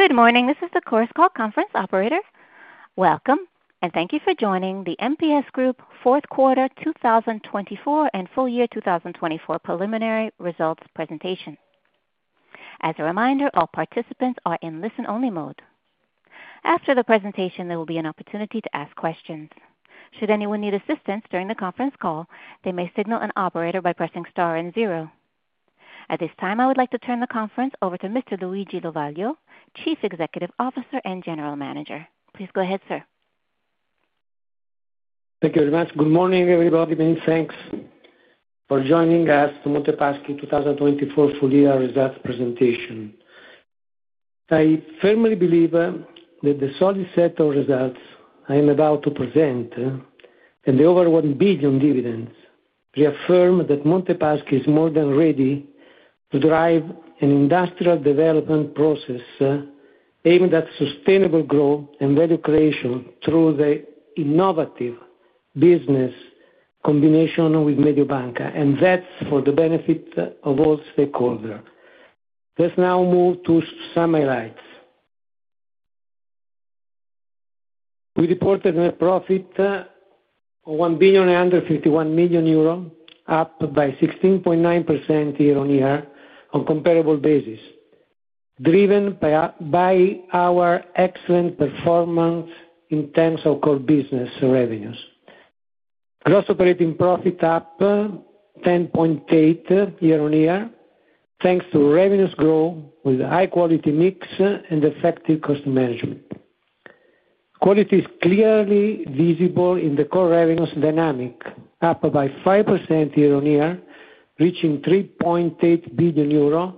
Good morning. This is the Chorus Call Conference Operator. Welcome, and thank you for joining the MPS Group Q4 2024 and Full Year 2024 Preliminary Results Presentation. As a reminder, all participants are in listen-only mode. After the presentation, there will be an opportunity to ask questions. Should anyone need assistance during the conference call, they may signal an operator by pressing star and zero. At this time, I would like to turn the conference over to Mr. Luigi Lovaglio, Chief Executive Officer and General Manager. Please go ahead, sir. Thank you very much. Good morning, everybody, and thanks for joining us for Monte Paschi 2024 Full Year Results Presentation. I firmly believe that the solid set of results I am about to present and the over one billion dividends reaffirm that Monte Paschi is more than ready to drive an industrial development process aimed at sustainable growth and value creation through the innovative business combination with Mediobanca, and that's for the benefit of all stakeholders. Let's now move to summarize. We reported a net profit of 1.151 million euro, up by 16.9% year-on-year on a comparable basis, driven by our excellent performance in terms of core business revenues. Gross operating profit is up 10.8% year-on-year thanks to revenues growth with high-quality mix and effective cost management. Quality is clearly visible in the core revenues dynamic, up by 5% year-on-year, reaching 3.8 billion euro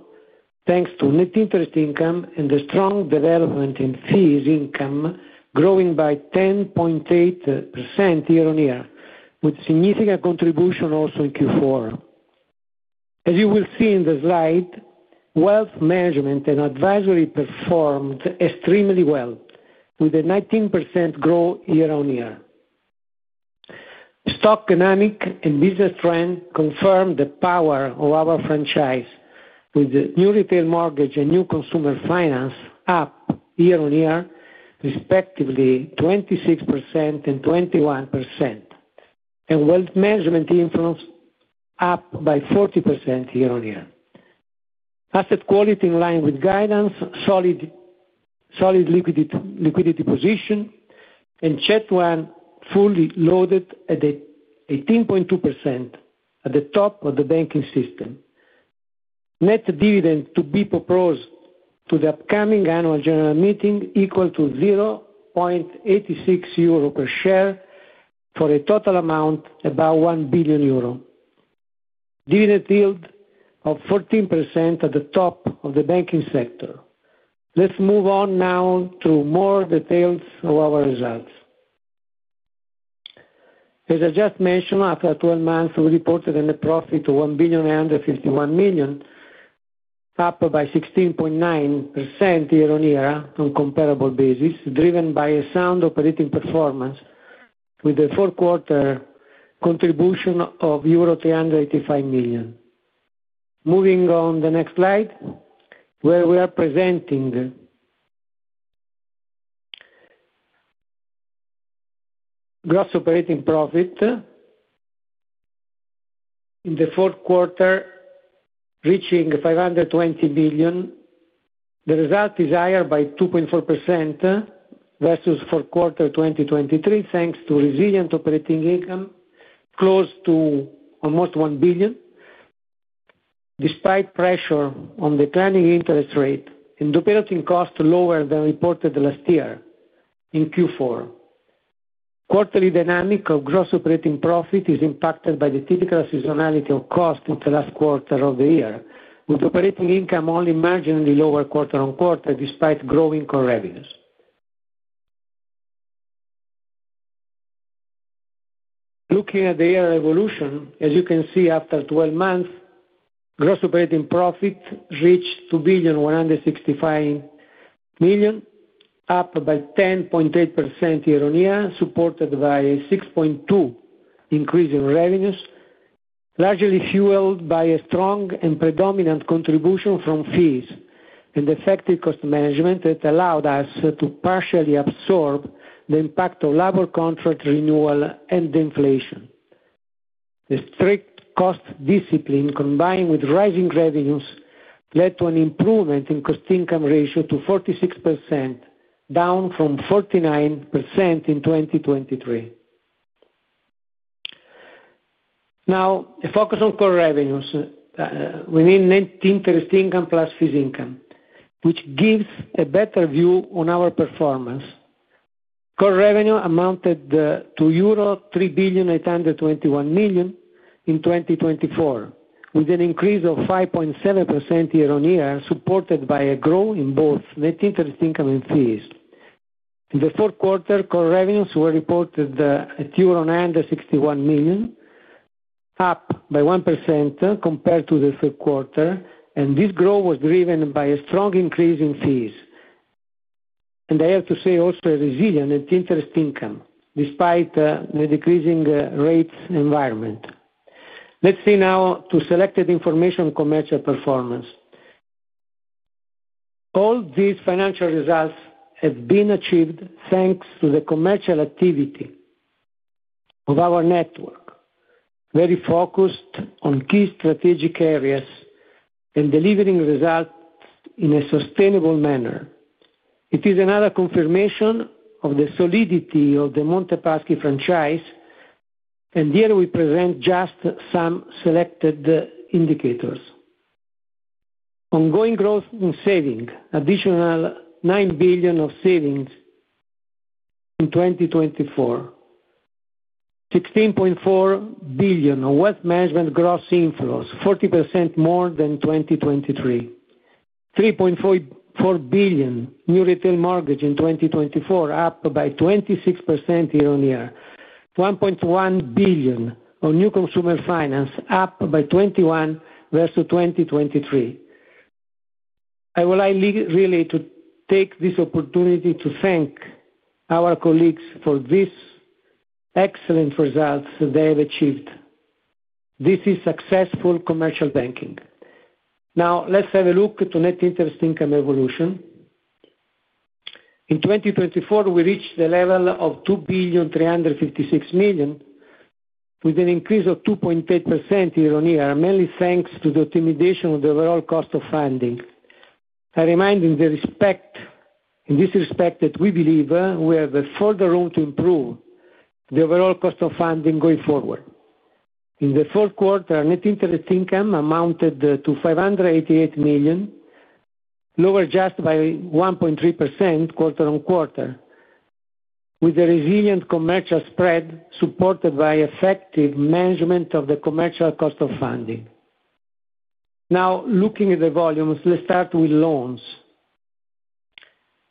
thanks to net interest income and the strong development in fees income growing by 10.8% year-on-year, with significant contribution also in Q4. As you will see in the slide, wealth management and advisory performed extremely well, with a 19% growth year-on-year. Stock dynamic and business trend confirm the power of our franchise, with new retail mortgage and new consumer finance up year-on-year, respectively 26% and 21%, and wealth management influence up by 40% year-on-year. Asset quality in line with guidance, solid liquidity position, and Common Equity Tier 1 fully loaded at 18.2% at the top of the banking system. Net dividend to be proposed to the upcoming annual general meeting equal to 0.86 euro per share for a total amount about 1 billion euro. Dividend yield of 14% at the top of the banking sector. Let's move on now to more details of our results. As I just mentioned, after 12 months, we reported a net profit of 1.951 million, up by 16.9% year-on-year on a comparable basis, driven by a sound operating performance with a Q4 contribution of euro 385 million. Moving on to the next slide, where we are presenting gross operating profit in the Q4 reaching 520 million. The result is higher by 2.4% versus Q4 2023, thanks to resilient operating income close to almost 1 billion, despite pressure on the climbing interest rate and operating cost lower than reported last year in Q4. Quarterly dynamic of gross operating profit is impacted by the typical seasonality of cost in the last quarter of the year, with operating income only marginally lower quarter on quarter despite growing core revenues. Looking at the year evolution, as you can see, after 12 months, gross operating profit reached 2.165 million, up by 10.8% year-on-year, supported by a 6.2% increase in revenues, largely fueled by a strong and predominant contribution from fees and effective cost management that allowed us to partially absorb the impact of labor contract renewal and inflation. The strict cost discipline, combined with rising revenues, led to an improvement in cost-income ratio to 46%, down from 49% in 2023. Now, a focus on core revenues within net interest income plus fees income, which gives a better view on our performance. Core revenue amounted to euro 3.821 million in 2024, with an increase of 5.7% year-on-year, supported by a growth in both net interest income and fees. In the Q4, core revenues were reported at euro 261 million, up by 1% compared to the Q3, and this growth was driven by a strong increase in fees, and I have to say also a resilient net interest income, despite the decreasing rate environment. Let's see now to selected information on commercial performance. All these financial results have been achieved thanks to the commercial activity of our network, very focused on key strategic areas and delivering results in a sustainable manner. It is another confirmation of the solidity of the Monte Paschi franchise, and here we present just some selected indicators. Ongoing growth in savings, additional 9 billion of savings in 2024, 16.4 billion of wealth management gross inflows, 40% more than 2023, 3.4 billion new retail mortgage in 2024, up by 26% year-on-year, 1.1 billion of new consumer finance, up by 21% versus 2023. I would like really to take this opportunity to thank our colleagues for these excellent results they have achieved. This is successful commercial banking. Now, let's have a look at the net interest income evolution. In 2024, we reached the level of 2.356 million, with an increase of 2.8% year-on-year, mainly thanks to the optimization of the overall cost of funding. I remind in this respect that we believe we have further room to improve the overall cost of funding going forward. In the Q4, net interest income amounted to 588 million, lower just by 1.3% quarter on quarter, with a resilient commercial spread supported by effective management of the commercial cost of funding. Now, looking at the volumes, let's start with loans.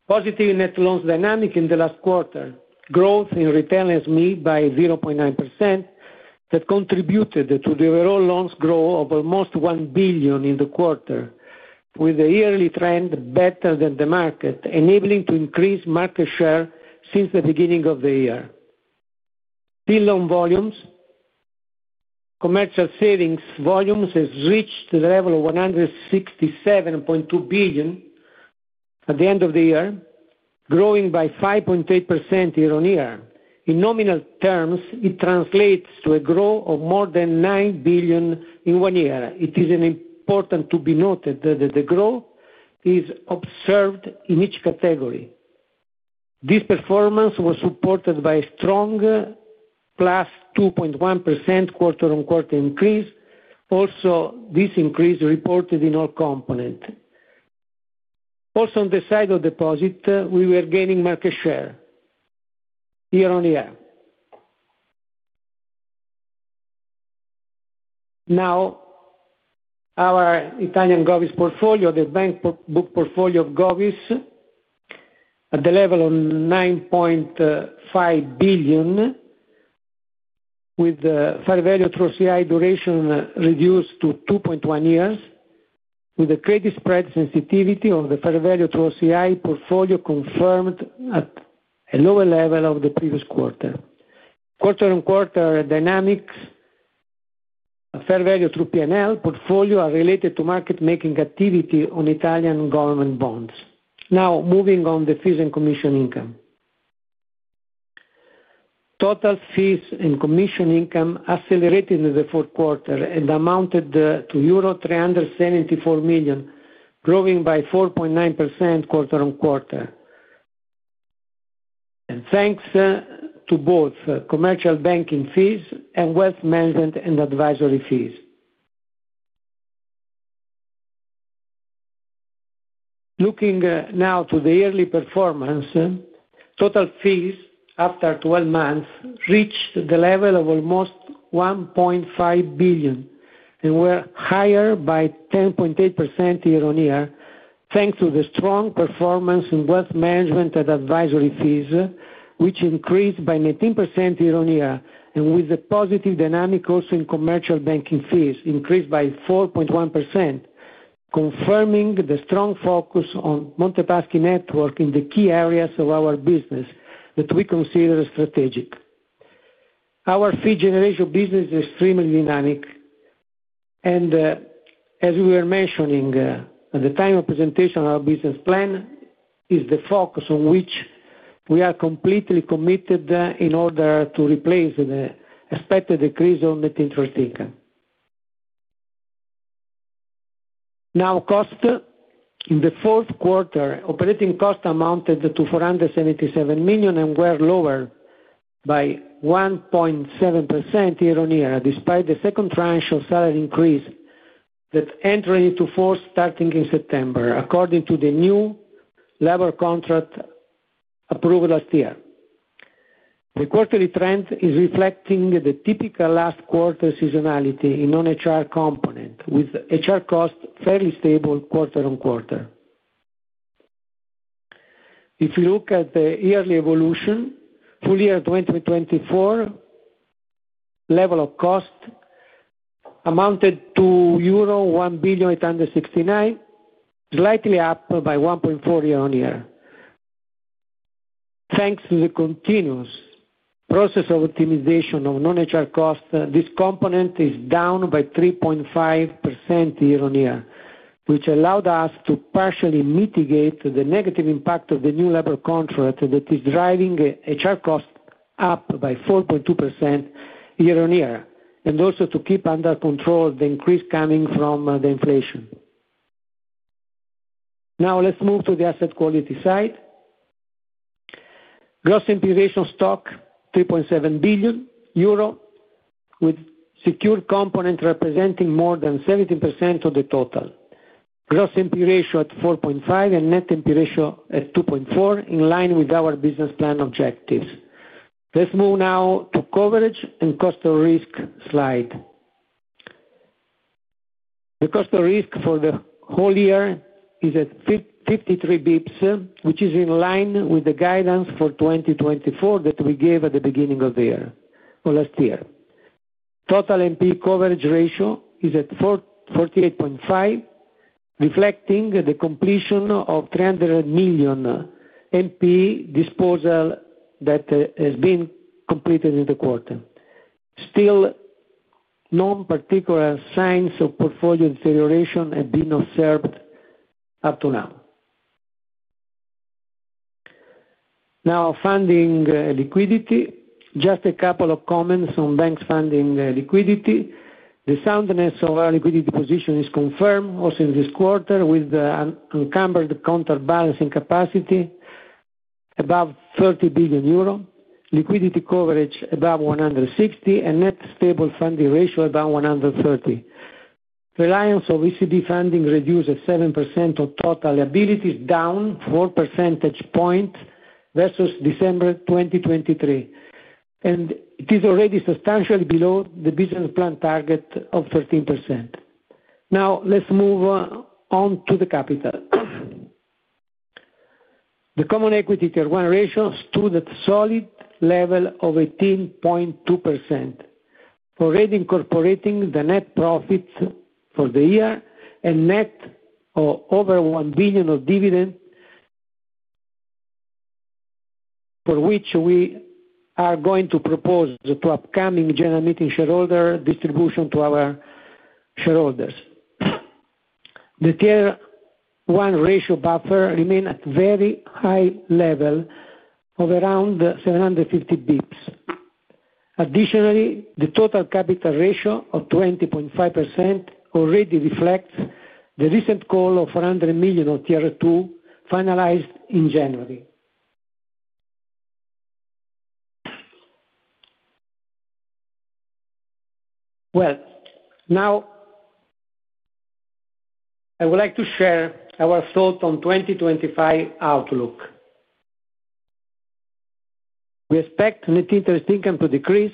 Positive net loans dynamics in the last quarter, growth in retail and SME by 0.9% that contributed to the overall loans growth of almost 1 billion in the quarter, with the yearly trend better than the market, enabling to increase market share since the beginning of the year. Build on volumes, commercial savings volumes has reached the level of 167.2 billion at the end of the year, growing by 5.8% year-on-year. In nominal terms, it translates to a growth of more than 9 billion in one year. It is important to be noted that the growth is observed in each category. This performance was supported by a strong plus 2.1% quarter on quarter increase. Also, this increase reported in all components. Also, on the side of deposit, we were gaining market share year-on-year. Now, our Italian Govies portfolio, the Banking Book portfolio of Govies, at the level of 9.5 billion, with the fair value through OCI duration reduced to 2.1 years, with the credit spread sensitivity of the fair value through OCI portfolio confirmed at a lower level of the previous quarter. Quarter on quarter dynamics, fair value through P&L portfolio are related to market-making activity on Italian government bonds. Now, moving on to fees and commission income. Total fees and commission income accelerated in the Q4 and amounted to euro 374 million, growing by 4.9% quarter on quarter, thanks to both commercial banking fees and wealth management and advisory fees. Looking now to the yearly performance, total fees after 12 months reached the level of almost 1.5 billion and were higher by 10.8% year-on-year, thanks to the strong performance in wealth management and advisory fees, which increased by 19% year-on-year, and with a positive dynamic also in commercial banking fees, increased by 4.1%, confirming the strong focus on Monte Paschi network in the key areas of our business that we consider strategic. Our fee generation business is extremely dynamic, and as we were mentioning at the time of presentation, our business plan is the focus on which we are completely committed in order to replace the expected decrease on net interest income. Now, cost in the Q4, operating cost amounted to 477 million and were lower by 1.7% year-on-year, despite the second tranche of salary increase that entered into force starting in September, according to the new labor contract approved last year. The quarterly trend is reflecting the typical last quarter seasonality in non-HR component, with HR cost fairly stable quarter on quarter. If you look at the yearly evolution, full year 2024 level of cost amounted to euro 1.869 billion, slightly up by 1.4% year-on-year. Thanks to the continuous process of optimization of non-HR cost, this component is down by 3.5% year-on-year, which allowed us to partially mitigate the negative impact of the new labor contract that is driving HR cost up by 4.2% year-on-year, and also to keep under control the increase coming from the inflation. Now, let's move to the asset quality side. Gross NPE stock 3.7 billion euro, with secured component representing more than 17% of the total. Gross NPE ratio at 4.5% and net NPE ratio at 2.4%, in line with our business plan objectives. Let's move now to coverage and cost of risk slide. The cost of risk for the whole year is at 53 basis points, which is in line with the guidance for 2024 that we gave at the beginning of the year or last year. Total NP coverage ratio is at 48.5%, reflecting the completion of 300 million NP disposal that has been completed in the quarter. Still, no particular signs of portfolio deterioration have been observed up to now. Now, funding liquidity, just a couple of comments on banks' funding liquidity. The soundness of our liquidity position is confirmed also in this quarter, with uncovered counterbalancing capacity above 30 billion euro, liquidity coverage above 160%, and net stable funding ratio above 130%. Reliance on ECB funding reduced at 7% of total liabilities, down 4 percentage points versus December 2023, and it is already substantially below the business plan target of 13%. Now, let's move on to the capital. The Common Equity Tier 1 ratio stood at a solid level of 18.2%, already incorporating the net profit for the year and net of over 1 billion of dividend, for which we are going to propose to upcoming general meeting shareholder distribution to our shareholders. The Tier 1 ratio buffer remained at a very high level of around 750 basis points. Additionally, the total capital ratio of 20.5% already reflects the recent call of 400 million of Tier 2 finalized in January. Now, I would like to share our thoughts on the 2025 outlook. We expect net interest income to decrease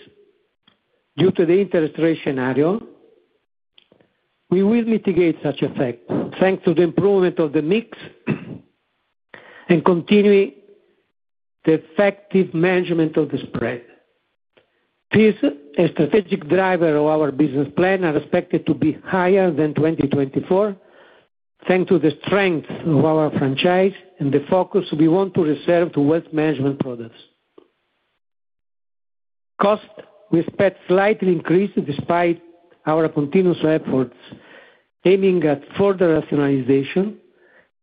due to the interest rate scenario. We will mitigate such effect, thanks to the improvement of the mix and continuing the effective management of the spread. Fees, a strategic driver of our business plan, are expected to be higher than 2024, thanks to the strength of our franchise and the focus we want to reserve to wealth management products. Cost, we expect, slightly increased despite our continuous efforts aiming at further rationalization,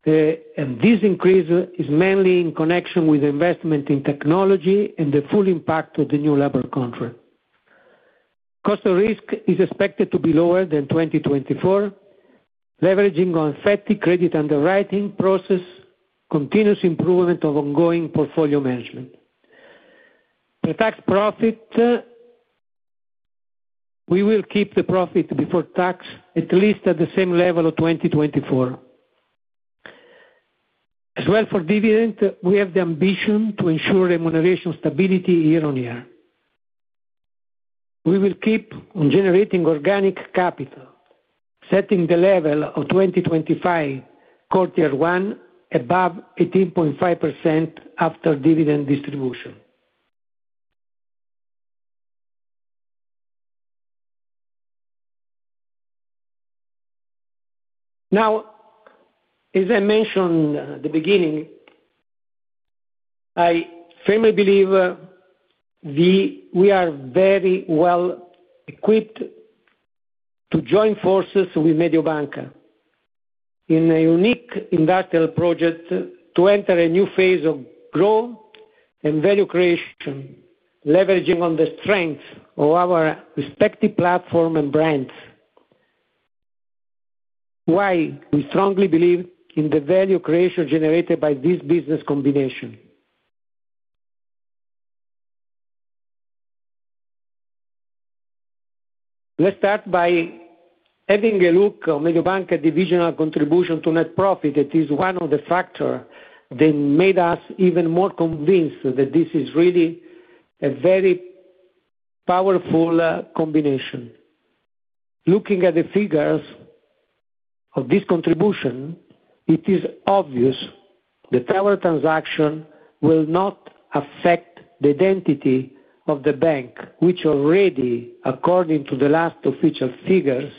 and this increase is mainly in connection with investment in technology and the full impact of the new labor contract. Cost of risk is expected to be lower than 2024, leveraging on FETI credit underwriting process, continuous improvement of ongoing portfolio management. For tax profit, we will keep the profit before tax at least at the same level of 2024. As well for dividend, we have the ambition to ensure remuneration stability year-on-year. We will keep on generating organic capital, setting the level of 2025 quarter one above 18.5% after dividend distribution. Now, as I mentioned at the beginning, I firmly believe we are very well equipped to join forces with Mediobanca in a unique industrial project to enter a new phase of growth and value creation, leveraging on the strength of our respective platform and brands. Why? We strongly believe in the value creation generated by this business combination. Let's start by having a look at Mediobanca's divisional contribution to net profit. It is one of the factors that made us even more convinced that this is really a very powerful combination. Looking at the figures of this contribution, it is obvious that our transaction will not affect the identity of the bank, which already, according to the last official figures,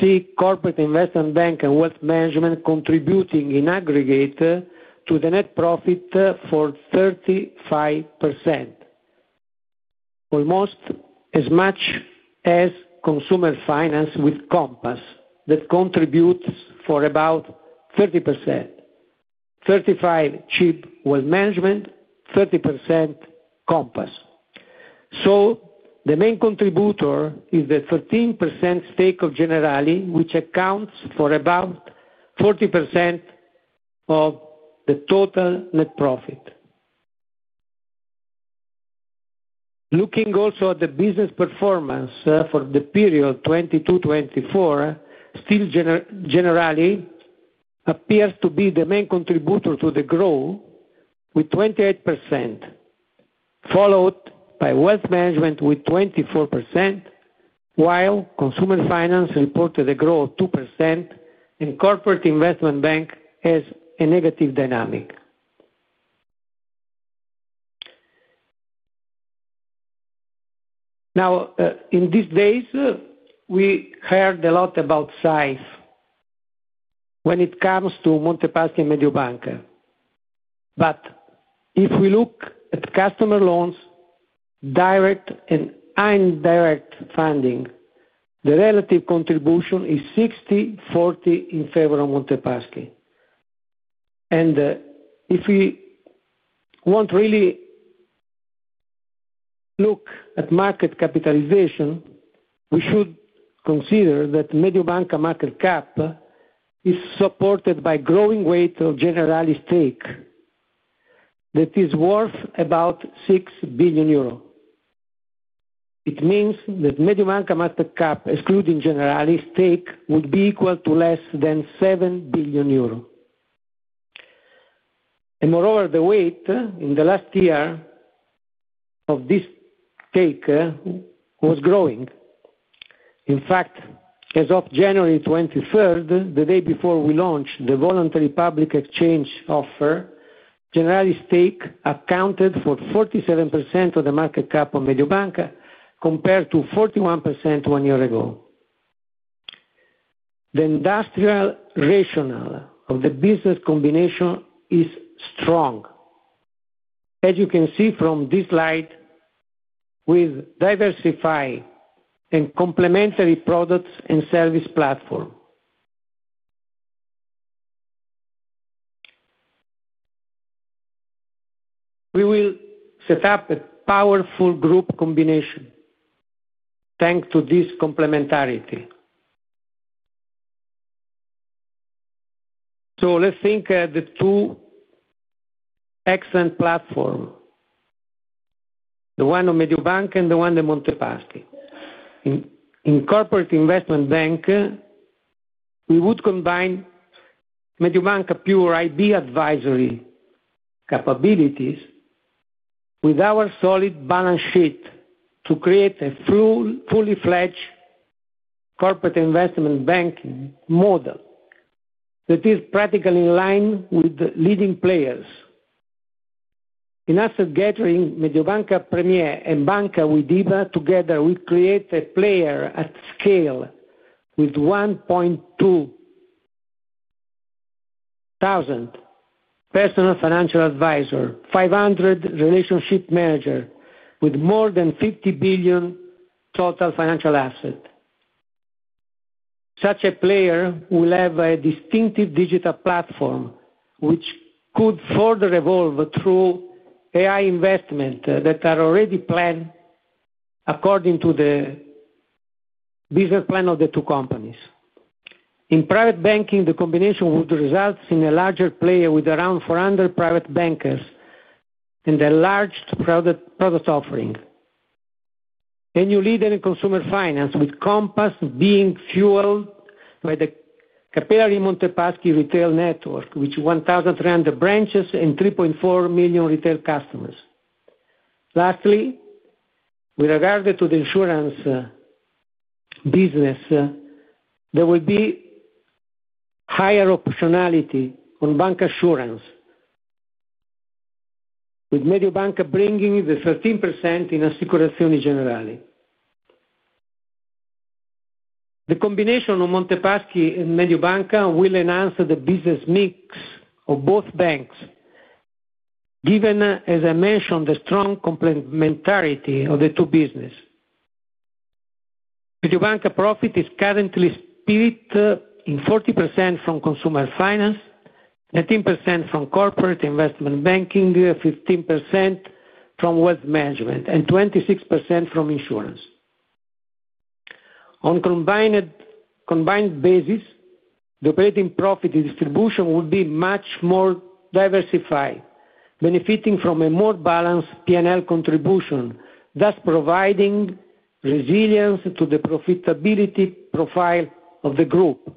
CIB corporate investment bank and wealth management contributing in aggregate to the net profit for 35%, almost as much as consumer finance with Compass that contributes for about 30%. 35% CIB wealth management, 30% Compass. So, the main contributor is the 13% stake of Generali, which accounts for about 40% of the total net profit. Looking also at the business performance for the period 2022-2024, still Generali appears to be the main contributor to the growth, with 28%, followed by wealth management with 24%, while consumer finance reported a growth of 2%, and corporate investment bank has a negative dynamic. Now, in these days, we heard a lot about SAIF when it comes to Monte Paschi and Mediobanca, but if we look at customer loans, direct and indirect funding, the relative contribution is 60 to 40 in favor of Monte Paschi. And if we want to really look at market capitalization, we should consider that Mediobanca market cap is supported by growing weight of Generali's stake that is worth about 6 billion euro. It means that Mediobanca market cap, excluding Generali's stake, would be equal to less than 7 billion euro. And moreover, the weight in the last year of this stake was growing. In fact, as of January 23rd, the day before we launched the voluntary public exchange offer, Generali's stake accounted for 47% of the market cap of Mediobanca compared to 41% one year ago. The industrial rationale of the business combination is strong, as you can see from this slide, with diversified and complementary products and service platform. We will set up a powerful group combination thanks to this complementarity. So, let's think of the two excellent platforms, the one of Mediobanca and the one of Monte Paschi. In corporate investment bank, we would combine Mediobanca's pure IB advisory capabilities with our solid balance sheet to create a fully-fledged corporate investment banking model that is practically in line with the leading players. In asset gathering, Mediobanca Premier and Banca Widiba, together, we create a player at scale with 1,200 personal financial advisors, 500 relationship managers, with more than 50 billion total financial assets. Such a player will have a distinctive digital platform, which could further evolve through AI investment that are already planned according to the business plan of the two companies. In private banking, the combination would result in a larger player with around 400 private bankers and a large product offering. A new leader in consumer finance, with Compass being fueled by the Banca Monte Paschi retail network, which has 1,300 branches and 3.4 million retail customers. Lastly, with regard to the insurance business, there will be higher optionality on bancassurance, with Mediobanca bringing the 13% in Assicurazioni Generali. The combination of Monte Paschi and Mediobanca will enhance the business mix of both banks, given, as I mentioned, the strong complementarity of the two businesses. Mediobanca profit is currently split in 40% from consumer finance, 13% from corporate investment banking, 15% from wealth management, and 26% from insurance. On a combined basis, the operating profit distribution would be much more diversified, benefiting from a more balanced P&L contribution, thus providing resilience to the profitability profile of the group.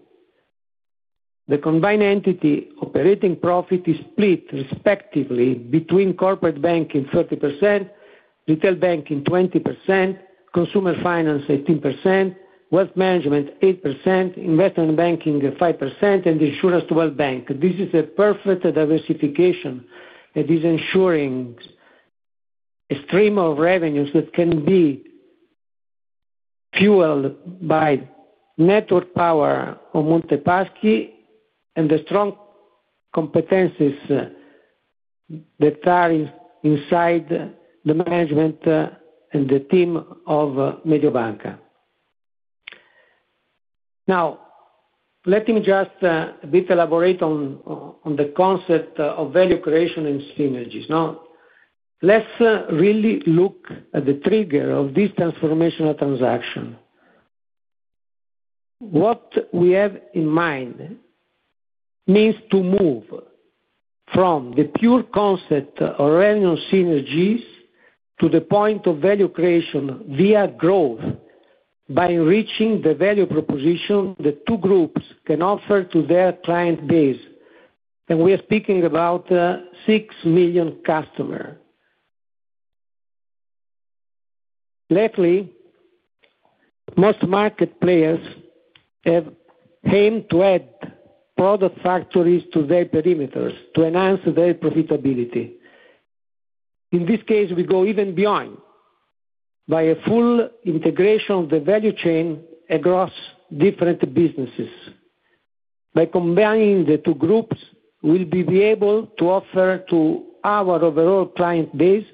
The combined entity operating profit is split respectively between corporate banking 30%, retail banking 20%, consumer finance 18%, wealth management 8%, investment banking 5%, and insurance to wealth bank. This is a perfect diversification that is ensuring a stream of revenues that can be fueled by network power of Monte Paschi and the strong competencies that are inside the management and the team of Mediobanca. Now, let me just a bit elaborate on the concept of value creation and synergies. Let's really look at the trigger of this transformational transaction. What we have in mind means to move from the pure concept of revenue synergies to the point of value creation via growth by enriching the value proposition the two groups can offer to their client base, and we are speaking about six million customers. Lately, most market players have aimed to add product factories to their perimeters to enhance their profitability. In this case, we go even beyond by a full integration of the value chain across different businesses. By combining the two groups, we will be able to offer to our overall client base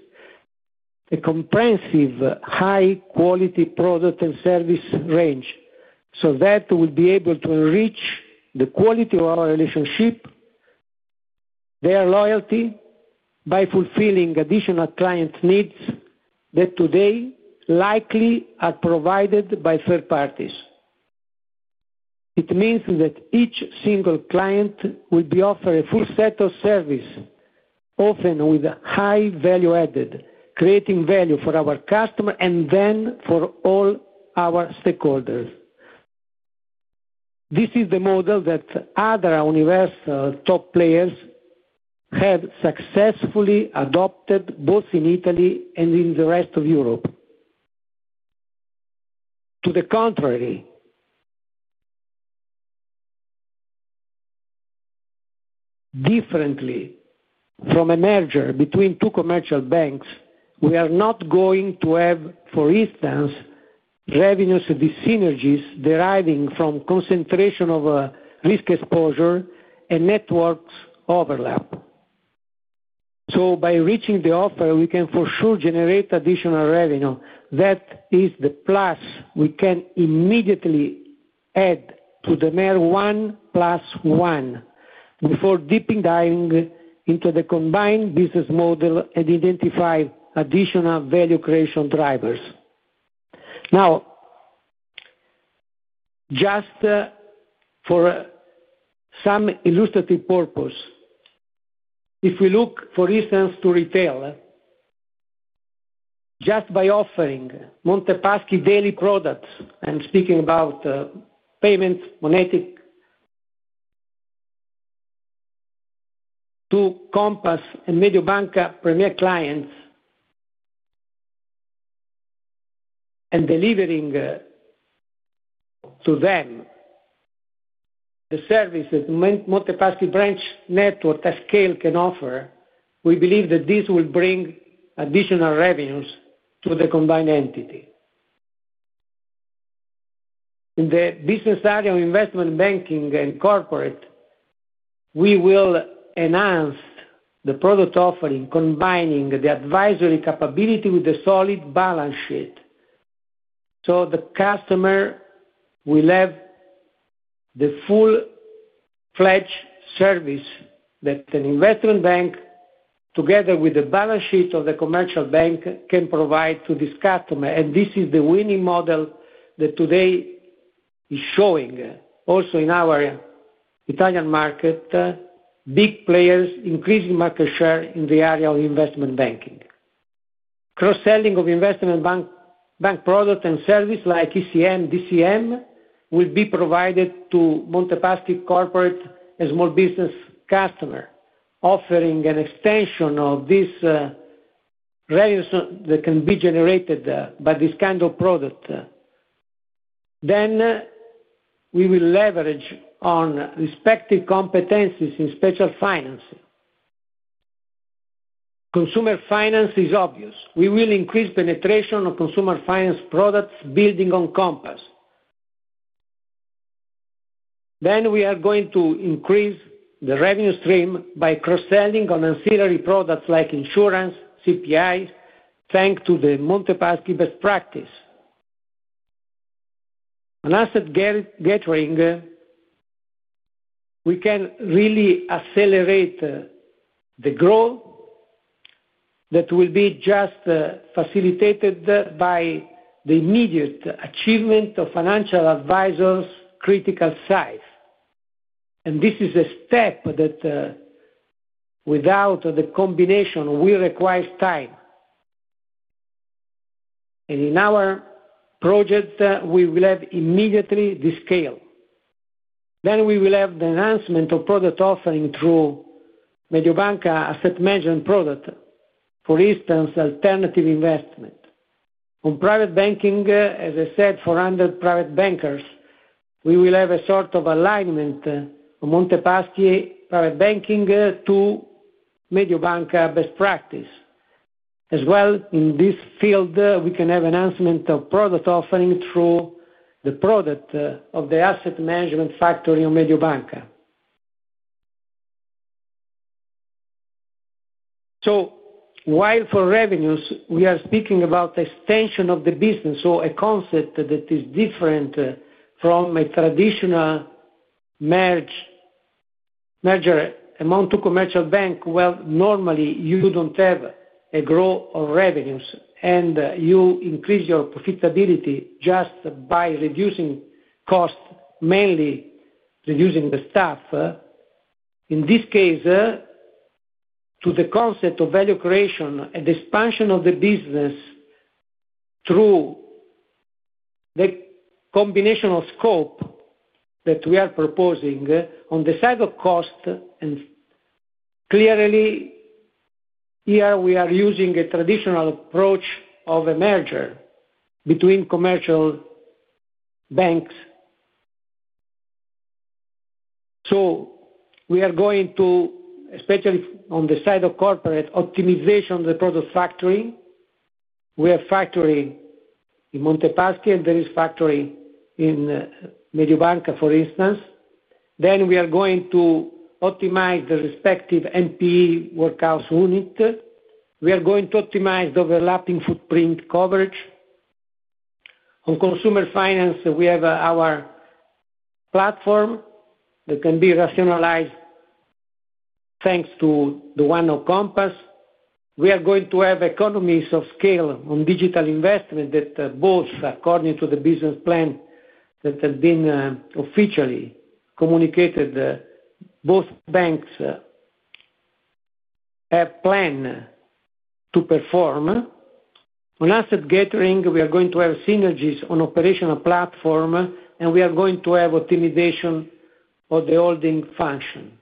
a comprehensive high-quality product and service range. So that we will be able to enrich the quality of our relationship, their loyalty, by fulfilling additional client needs that today likely are provided by third parties. It means that each single client will be offered a full set of service, often with high value added, creating value for our customer and then for all our stakeholders. This is the model that other universal top players have successfully adopted both in Italy and in the rest of Europe. To the contrary, differently from a merger between two commercial banks, we are not going to have, for instance, revenue synergies deriving from concentration of risk exposure and networks overlap, so by enriching the offer, we can for sure generate additional revenue. That is the plus we can immediately add to the mere one plus one before dipping into the combined business model and identifying additional value creation drivers. Now, just for some illustrative purpose, if we look, for instance, to retail, just by offering Monte Paschi daily products, I'm speaking about payments, fintech, to Compass and Mediobanca Premier clients and delivering to them the service that Monte Paschi branch network at scale can offer, we believe that this will bring additional revenues to the combined entity. In the business area of investment banking and corporate, we will enhance the product offering, combining the advisory capability with the solid balance sheet, so the customer will have the full-fledged service that an investment bank, together with the balance sheet of the commercial bank, can provide to this customer, and this is the winning model that today is showing also in our Italian market, big players increasing market share in the area of investment banking. Cross-selling of investment bank product and service like ECM, DCM will be provided to Monte Paschi corporate and small business customers, offering an extension of this revenue that can be generated by this kind of product, then we will leverage on respective competencies in special finance. Consumer finance is obvious. We will increase penetration of consumer finance products building on Compass. Then we are going to increase the revenue stream by cross-selling on ancillary products like insurance, CPIs, thanks to the Monte Paschi best practice. On asset gathering, we can really accelerate the growth that will be just facilitated by the immediate achievement of financial advisors' critical mass. And this is a step that, without the combination, will require time. And in our project, we will have immediately this scale. Then we will have the enhancement of product offering through Mediobanca asset management product, for instance, alternative investment. On private banking, as I said, 400 private bankers, we will have a sort of alignment of Monte Paschi private banking to Mediobanca best practice. As well, in this field, we can have enhancement of product offering through the product of the asset management factory of Mediobanca. So while for revenues, we are speaking about the extension of the business, so a concept that is different from a traditional merger among two commercial banks. Well, normally you don't have a growth of revenues, and you increase your profitability just by reducing costs, mainly reducing the staff. In this case, to the concept of value creation and expansion of the business through the combination of scope that we are proposing on the side of cost, and clearly here we are using a traditional approach of a merger between commercial banks. So we are going to, especially on the side of corporate, optimization of the product factory. We have factory in Monte Paschi, and there is factory in Mediobanca, for instance. Then we are going to optimize the respective NPE workout unit. We are going to optimize the overlapping footprint coverage. On consumer finance, we have our platform that can be rationalized thanks to the one of Compass. We are going to have economies of scale on digital investment that both, according to the business plan that has been officially communicated, both banks have planned to perform. On asset gathering, we are going to have synergies on operational platform, and we are going to have optimization of the holding function.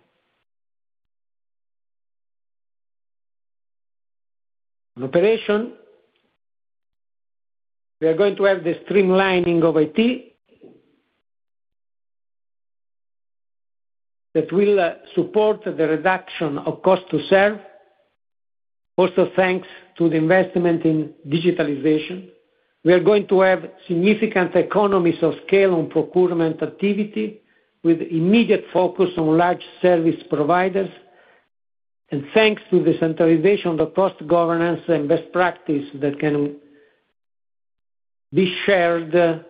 On operation, we are going to have the streamlining of IT that will support the reduction of cost to serve, also thanks to the investment in digitalization. We are going to have significant economies of scale on procurement activity with immediate focus on large service providers. And thanks to the centralization of the cost governance and best practice that can be shared,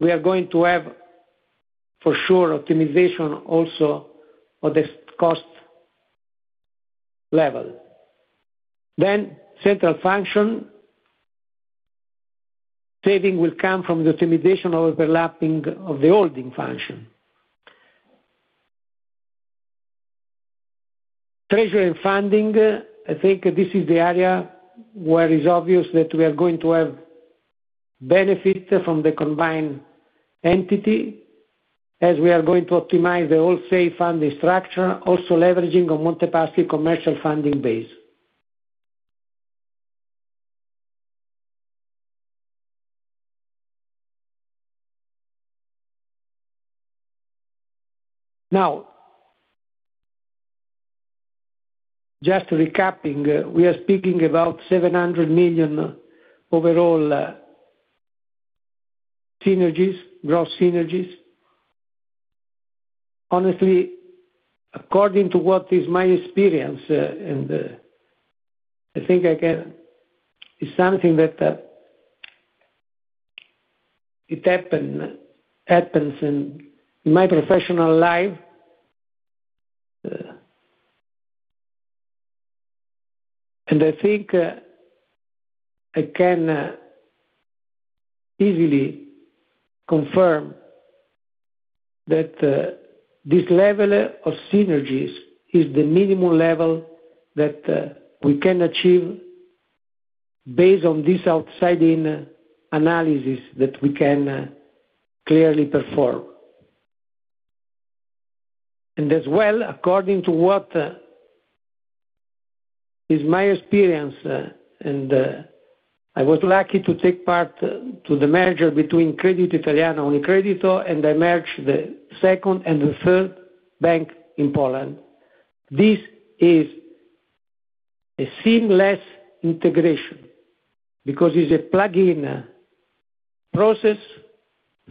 we are going to have for sure optimization also at the cost level. Then, central function savings will come from the optimization of overlapping of the holding function. Treasury and funding, I think this is the area where it's obvious that we are going to have benefit from the combined entity as we are going to optimize the wholesale funding structure, also leveraging on Monte Paschi commercial funding base. Now, just recapping, we are speaking about 700 million overall synergies, growth synergies. Honestly, according to what is my experience, and I think it's something that happens in my professional life, and I think I can easily confirm that this level of synergies is the minimum level that we can achieve based on this outside-in analysis that we can clearly perform. As well, according to what is my experience, and I was lucky to take part to the merger between Credito Italiano UniCredit and I merged the second and the third bank in Poland. This is a seamless integration because it's a plug-in process.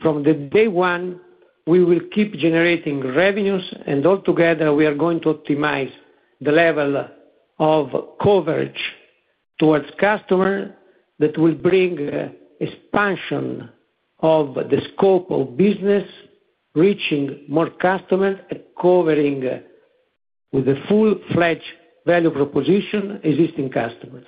From day one, we will keep generating revenues, and altogether we are going to optimize the level of coverage towards customer that will bring expansion of the scope of business, reaching more customers and covering with the full-fledged value proposition existing customers.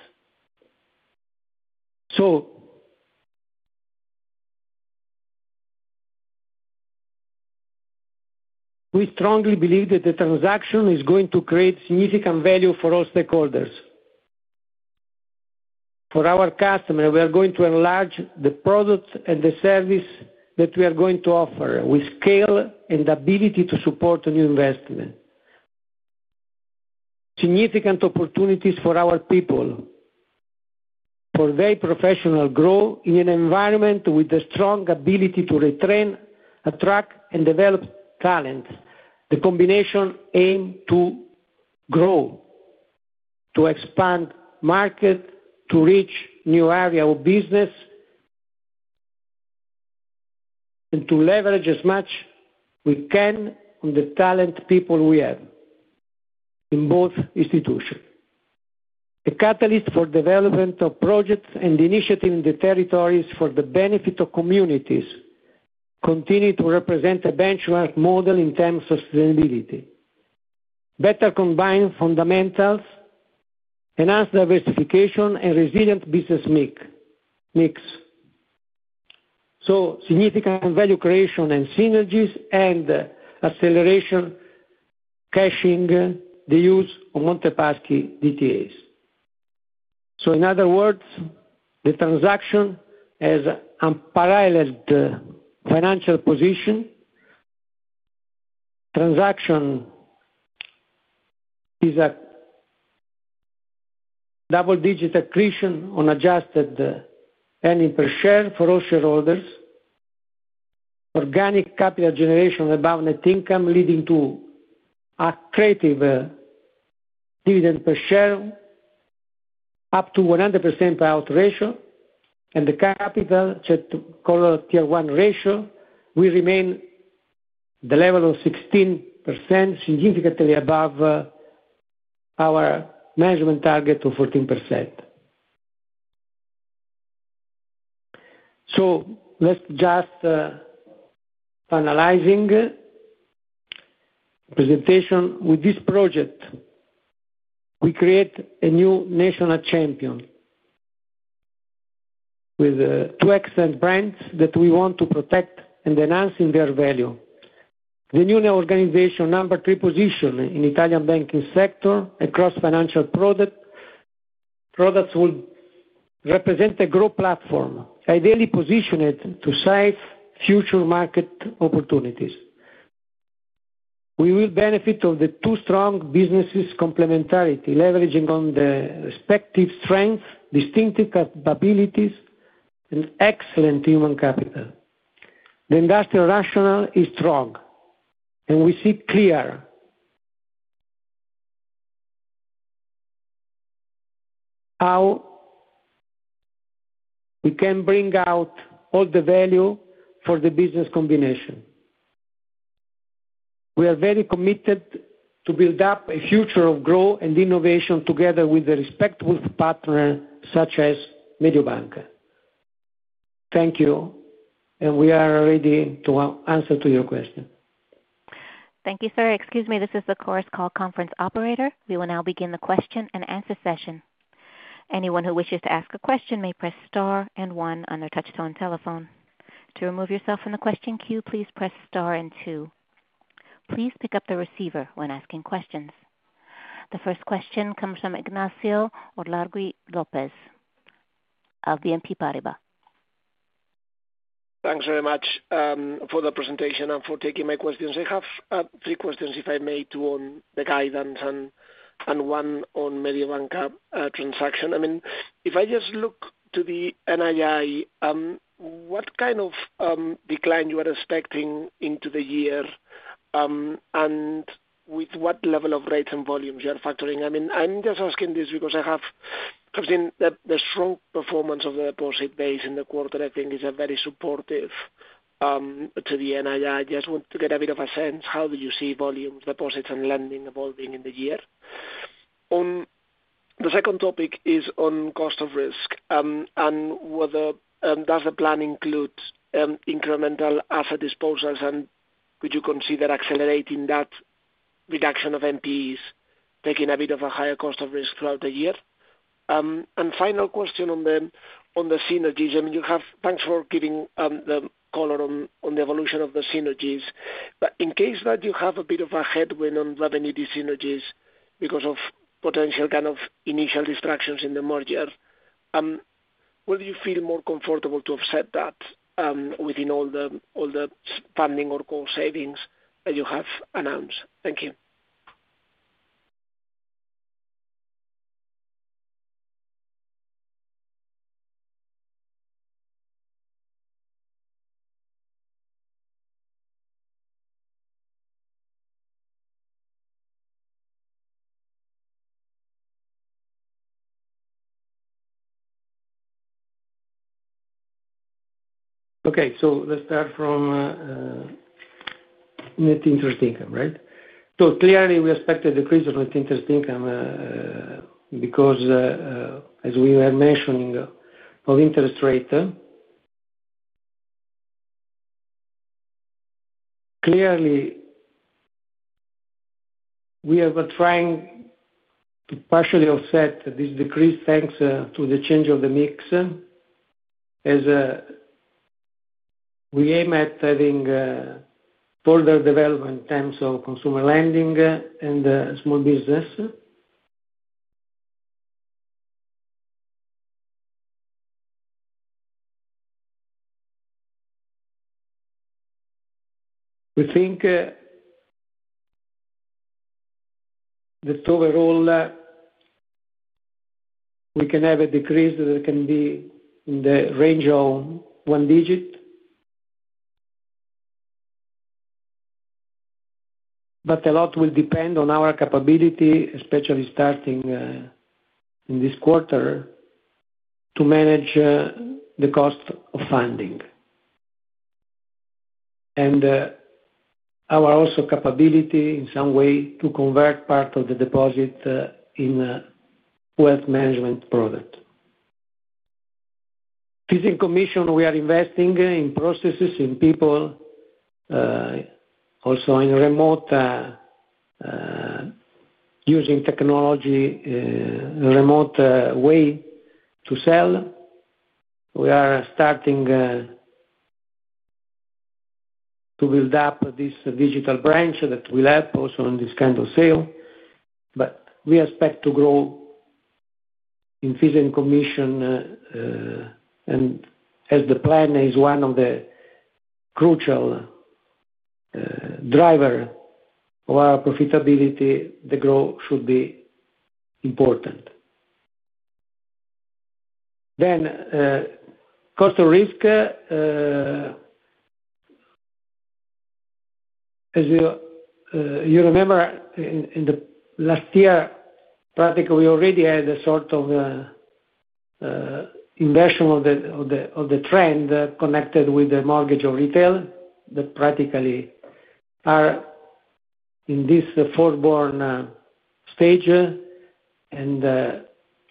We strongly believe that the transaction is going to create significant value for all stakeholders. For our customer, we are going to enlarge the product and the service that we are going to offer with scale and ability to support a new investment. Significant opportunities for our people for their professional growth in an environment with a strong ability to retrain, attract, and develop talent. The combination aimed to grow, to expand market, to reach new area of business, and to leverage as much as we can on the talented people we have in both institutions. A catalyst for development of projects and initiatives in the territories for the benefit of communities continues to represent a benchmark model in terms of sustainability. Better combined fundamentals, enhanced diversification, and resilient business mix. So significant value creation and synergies and acceleration cashing the use of Monte Paschi DTAs. So in other words, the transaction has unparalleled financial position. Transaction is a double-digit accretion on adjusted earnings per share for all shareholders. Organic capital generation above net income leading to an attractive dividend per share up to 100% payout ratio. The capital tier one ratio will remain at the level of 16%, significantly above our management target of 14%. Let's just finalize the presentation. With this project, we create a new national champion with two excellent brands that we want to protect and enhance in their value. The new organization number three position in Italian banking sector across financial products will represent a growth platform, ideally positioned to save future market opportunities. We will benefit from the two strong businesses' complementarity, leveraging on the respective strengths, distinctive capabilities, and excellent human capital. The industrial rationale is strong, and we see clear how we can bring out all the value for the business combination. We are very committed to build up a future of growth and innovation together with the respective partners such as Mediobanca. Thank you, and we are ready to answer your question. Thank you, sir. Excuse me, this is the Chorus Call conference operator. We will now begin the question and answer session. Anyone who wishes to ask a question may press star and one on their touch-tone telephone. To remove yourself from the question queue, please press star and two. Please pick up the receiver when asking questions. The first question comes from Ignacio Orlando Lopez of BNP Paribas. Thanks very much for the presentation and for taking my questions. I have three questions, if I may, two on the guidance and one on Mediobanca transaction. I mean, if I just look to the NII, what kind of decline you are expecting into the year and with what level of rates and volumes you are factoring? I mean, I'm just asking this because I have seen the strong performance of the deposit base in the quarter. I think it's very supportive to the NII. I just want to get a bit of a sense. How do you see volumes, deposits, and lending evolving in the year? The second topic is on cost of risk. And does the plan include incremental asset disposals, and would you consider accelerating that reduction of NPEs, taking a bit of a higher cost of risk throughout the year? And final question on the synergies. I mean, thanks for giving the color on the evolution of the synergies. But in case that you have a bit of a headwind on revenue synergies because of potential kind of initial distractions in the merger, where do you feel more comfortable to offset that within all the funding or cost savings that you have announced? Thank you. Okay, so let's start from net interest income, right? So clearly, we expect a decrease in net interest income because, as we were mentioning, of interest rates. Clearly, we are trying to partially offset this decrease thanks to the change of the mix. We aim at having further development in terms of consumer lending and small business. We think that overall we can have a decrease that can be in the range of single digit, but a lot will depend on our capability, especially starting in this quarter, to manage the cost of funding and also our capability in some way to convert part of the deposit in wealth management product. Within commissions, we are investing in processes, in people, also in remote using technology, remote way to sell. We are starting to build up this digital branch that will help also in this kind of sale. But we expect to grow in fees and commissions, and as the plan is one of the crucial drivers of our profitability, the growth should be important. Then cost of risk. As you remember, in the last year, practically we already had a sort of inversion of the trend connected with the mortgage or retail that practically are in this forborne stage. And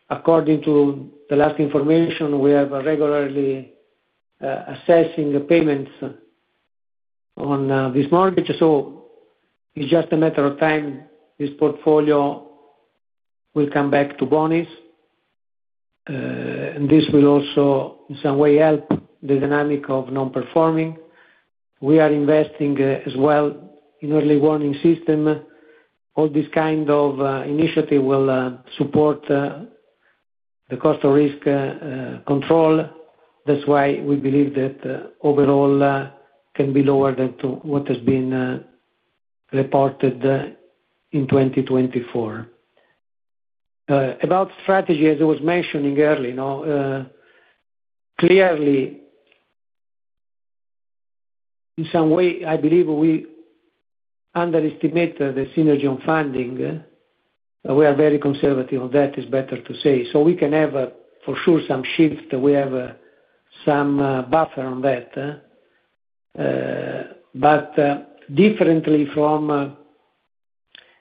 according to the last information, we have regularly assessing payments on this mortgage. So it's just a matter of time this portfolio will come back to bonis. And this will also in some way help the dynamic of non-performing. We are investing as well in early warning system. All this kind of initiative will support the cost of risk control. That's why we believe that overall can be lower than what has been reported in 2024. About strategy, as I was mentioning earlier, clearly in some way I believe we underestimate the synergy on funding. We are very conservative on that, it's better to say. So we can have for sure some shift. We have some buffer on that. But differently from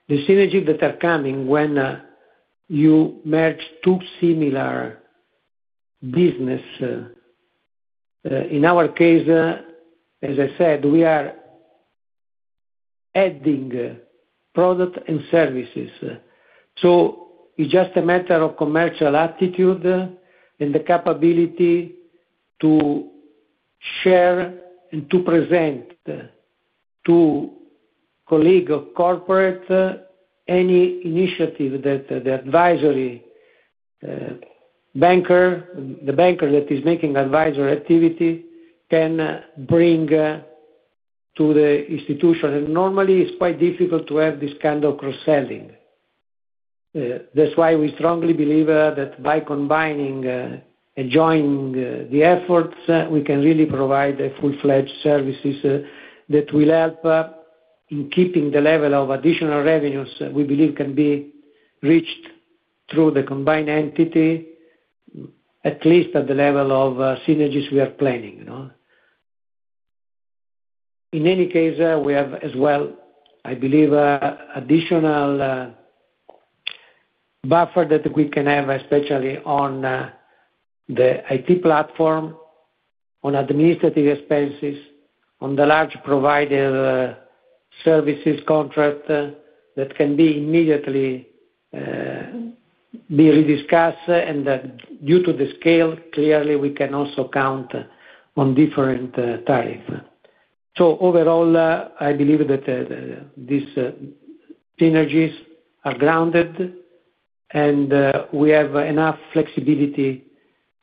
the synergy that are coming when you merge two similar businesses. In our case, as I said, we are adding product and services. So it's just a matter of commercial attitude and the capability to share and to present to colleague or corporate any initiative that the advisory banker, the banker that is making advisory activity, can bring to the institution. And normally it's quite difficult to have this kind of cross-selling. That's why we strongly believe that by combining and joining the efforts, we can really provide full-fledged services that will help in keeping the level of additional revenues we believe can be reached through the combined entity, at least at the level of synergies we are planning. In any case, we have as well, I believe, additional buffer that we can have, especially on the IT platform, on administrative expenses, on the large provider services contract that can be immediately rediscussed. And due to the scale, clearly we can also count on different tariffs. So overall, I believe that these synergies are grounded and we have enough flexibility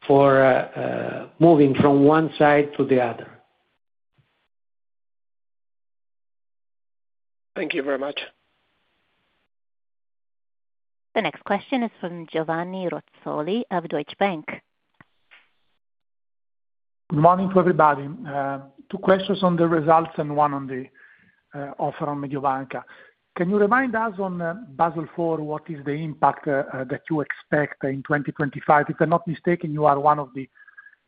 for moving from one side to the other. Thank you very much. The next question is from Giovanni Razzoli of Deutsche Bank. Good morning to everybody. Two questions on the results and one on the offer on Mediobanca. Can you remind us on Basel IV, what is the impact that you expect in 2025? If I'm not mistaken, you are one of the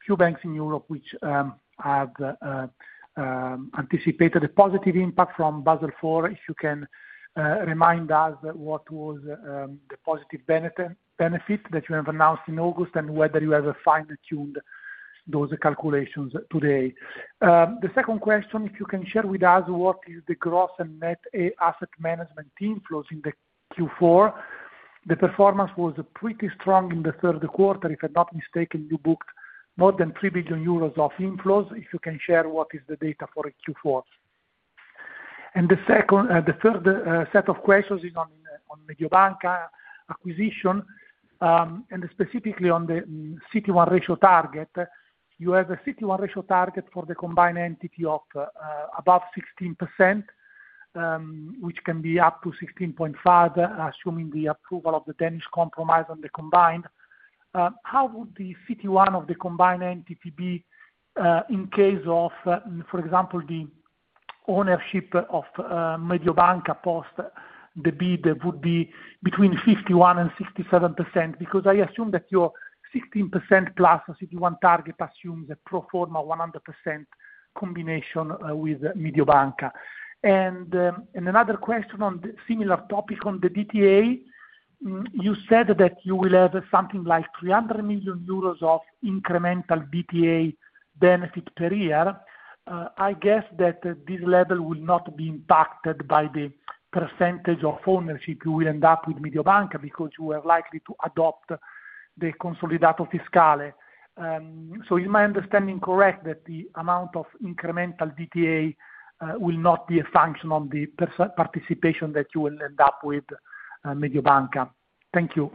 few banks in Europe which have anticipated a positive impact from Basel IV. If you can remind us what was the positive benefit that you have announced in August and whether you have fine-tuned those calculations today? The second question, if you can share with us what is the gross and net asset management inflows in the Q4. The performance was pretty strong in the Q3. If I'm not mistaken, you booked more than 3 billion euros of inflows. If you can share what is the data for Q4. And the third set of questions is on Mediobanca acquisition and specifically on the cost-income ratio target. You have a CET1 ratio target for the combined entity of above 16%, which can be up to 16.5%, assuming the approval of the Danish Compromise on the combined. How would the CET1 of the combined entity be in case of, for example, the ownership of Mediobanca post the bid would be between 51% and 67%? Because I assume that your 16% plus CET1 target assumes a pro forma 100% combination with Mediobanca. And another question on a similar topic on the DTA. You said that you will have something like 300 million euros of incremental DTA benefit per year. I guess that this level will not be impacted by the percentage of ownership you will end up with Mediobanca because you are likely to adopt the consolidato fiscale. So is my understanding correct that the amount of incremental DTA will not be a function on the participation that you will end up with Mediobanca? Thank you.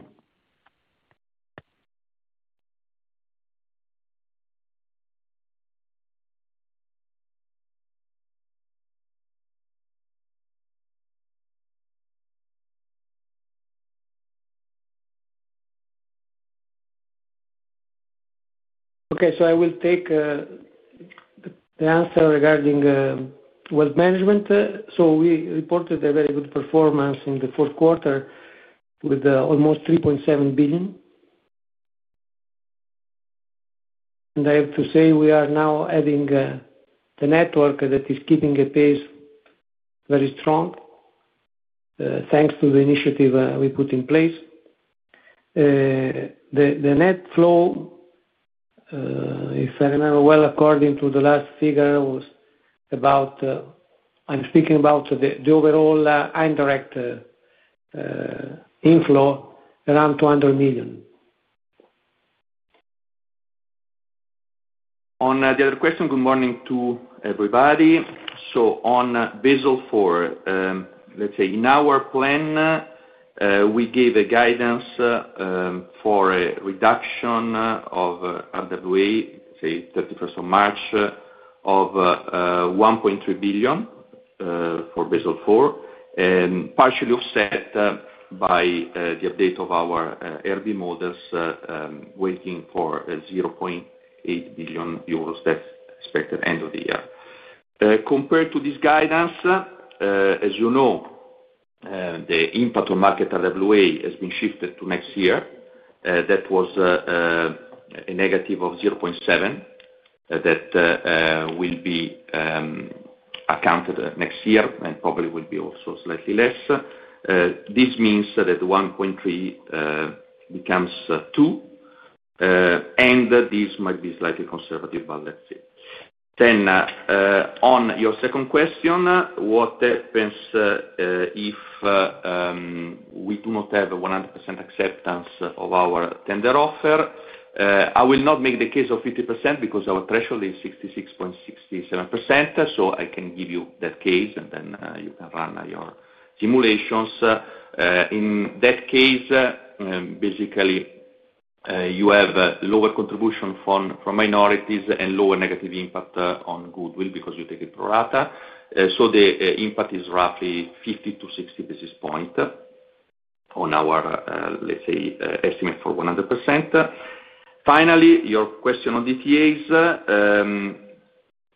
Okay, so I will take the answer regarding wealth management. So we reported a very good performance in the Q4 with almost EUR3.7 billion. And I have to say we are now adding the network that is keeping a pace very strong thanks to the initiative we put in place. The net flow, if I remember well, according to the last figure, was about. I'm speaking about the overall indirect inflow around EUR200 million. On the other question, good morning to everybody. So on Basel IV, let's say in our plan, we gave a guidance for a reduction of RWA, say 31st of March, of 1.3 billion for Basel IV, partially offset by the update of our ERB models waiting for 0.8 billion euros that's expected end of the year. Compared to this guidance, as you know, the impact on market RWA has been shifted to next year. That was a negative of 0.7 that will be accounted next year and probably will be also slightly less. This means that 1.3 becomes 2. And this might be slightly conservative, but that's it. Then on your second question, what happens if we do not have 100% acceptance of our tender offer? I will not make the case of 50% because our threshold is 66.67%. So I can give you that case and then you can run your simulations. In that case, basically, you have lower contribution from minorities and lower negative impact on goodwill because you take it pro rata. So the impact is roughly 50 to 60 basis points on our, let's say, estimate for 100%. Finally, your question on DTAs,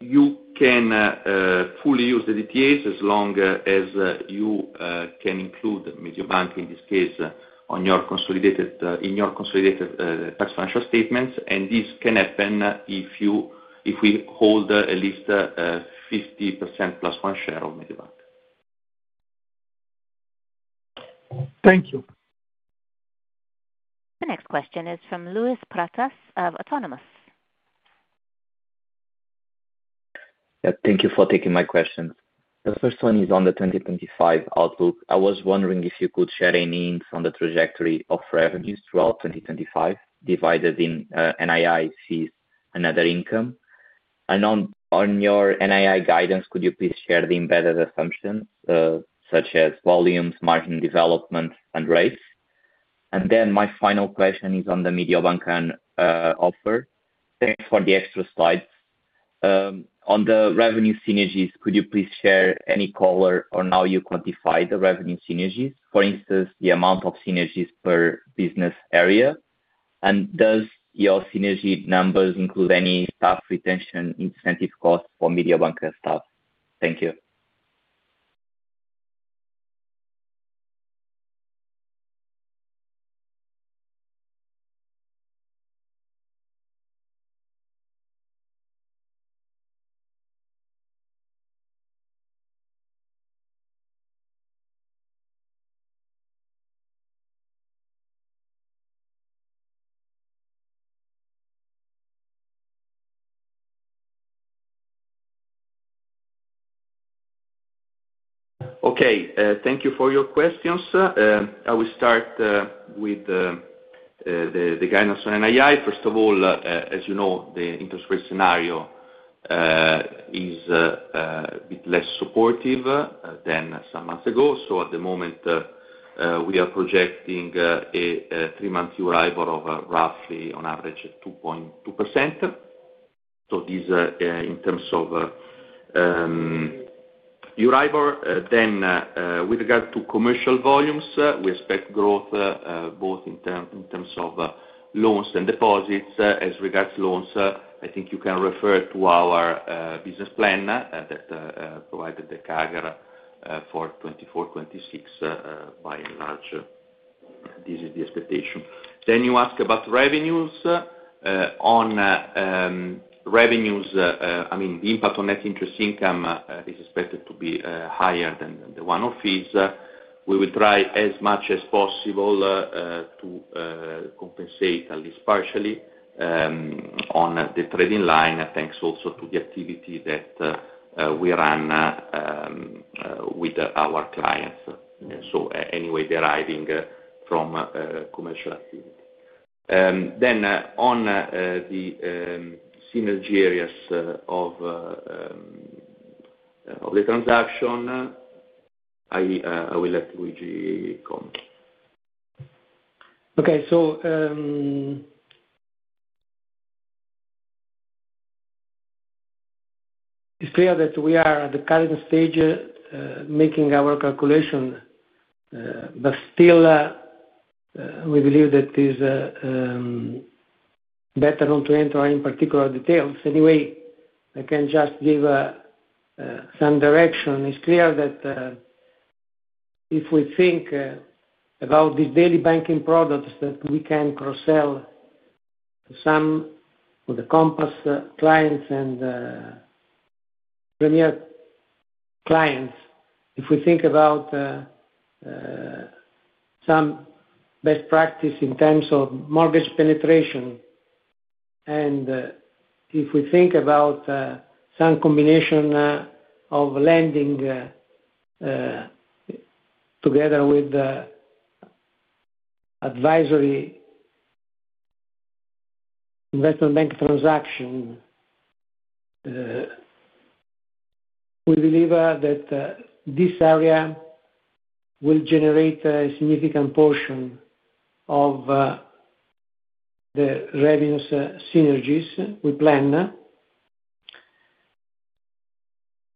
you can fully use the DTAs as long as you can include Mediobanca in this case in your consolidated tax financial statements. And this can happen if we hold at least 50% plus one share of Mediobanca. Thank you. The next question is from Luis Pratas of Autonomous. Thank you for taking my questions. The first one is on the 2025 outlook. I was wondering if you could share any hints on the trajectory of revenues throughout 2025 divided in NII fees and other income. And on your NII guidance, could you please share the embedded assumptions such as volumes, margin development, and rates? Then my final question is on the Mediobanca offer. Thanks for the extra slides. On the revenue synergies, could you please share any color on how you quantify the revenue synergies? For instance, the amount of synergies per business area. And does your synergy numbers include any staff retention incentive costs for Mediobanca staff? Thank you. Okay, thank you for your questions. I will start with the guidance on NII. First of all, as you know, the interest rate scenario is a bit less supportive than some months ago. So at the moment, we are projecting a three-month Euribor of roughly on average 2.2%. So this in terms of Euribor. Then with regard to commercial volumes, we expect growth both in terms of loans and deposits. As regards loans, I think you can refer to our business plan that provided the CAGR for 2024-2026 by and large. This is the expectation. Then you ask about revenues. On revenues, I mean the impact on net interest income is expected to be higher than the one-off fees. We will try as much as possible to compensate at least partially on the trading line, thanks also to the activity that we run with our clients. So anyway, deriving from commercial activity. Then on the synergy areas of the transaction, I will let Luigi comment. Okay, so it's clear that we are at the current stage making our calculation, but still we believe that it is better not to enter in particular details. Anyway, I can just give some direction. It's clear that if we think about these daily banking products that we can cross-sell to some of the Compass clients and Premier clients, if we think about some best practice in terms of mortgage penetration, and if we think about some combination of lending together with advisory investment bank transaction, we believe that this area will generate a significant portion of the revenues synergies we plan.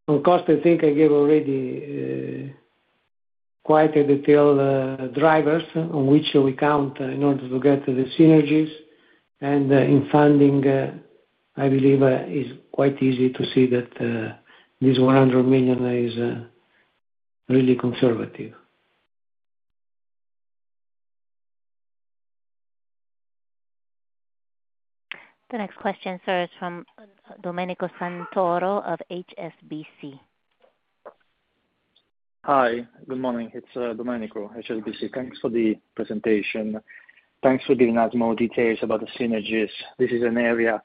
On cost, I think I gave already quite a detailed drivers on which we count in order to get the synergies, and in funding, I believe it's quite easy to see that this 100 million is really conservative. The next question starts from Domenico Santoro of HSBC. Hi, good morning. It's Domenico, HSBC. Thanks for the presentation. Thanks for giving us more details about the synergies. This is an area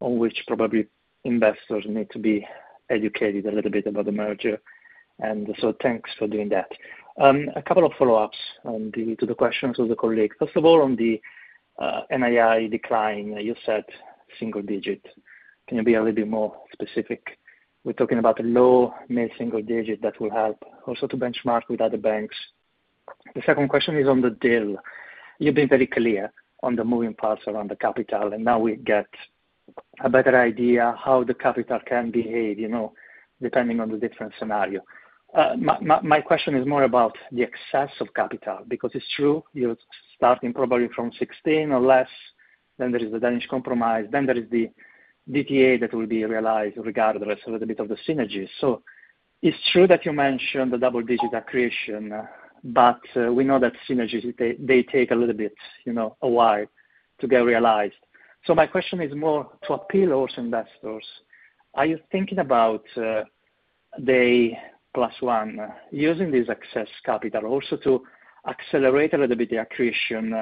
on which probably investors need to be educated a little bit about the merger. And so thanks for doing that. A couple of follow-ups to the questions of the colleagues. First of all, on the NII decline, you said single digit. Can you be a little bit more specific? We're talking about a low middle single digit that will help also to benchmark with other banks. The second question is on the deal. You've been very clear on the moving parts around the capital, and now we get a better idea how the capital can behave depending on the different scenario. My question is more about the excess of capital because it's true you're starting probably from 16 or less. Then there is the Danish Compromise. Then there is the DTA that will be realized regardless a little bit of the synergies. So it's true that you mentioned the double-digit accretion, but we know that synergies, they take a little bit a while to get realized. So my question is more to appeal to investors. Are you thinking about day plus one using this excess capital also to accelerate a little bit the accretion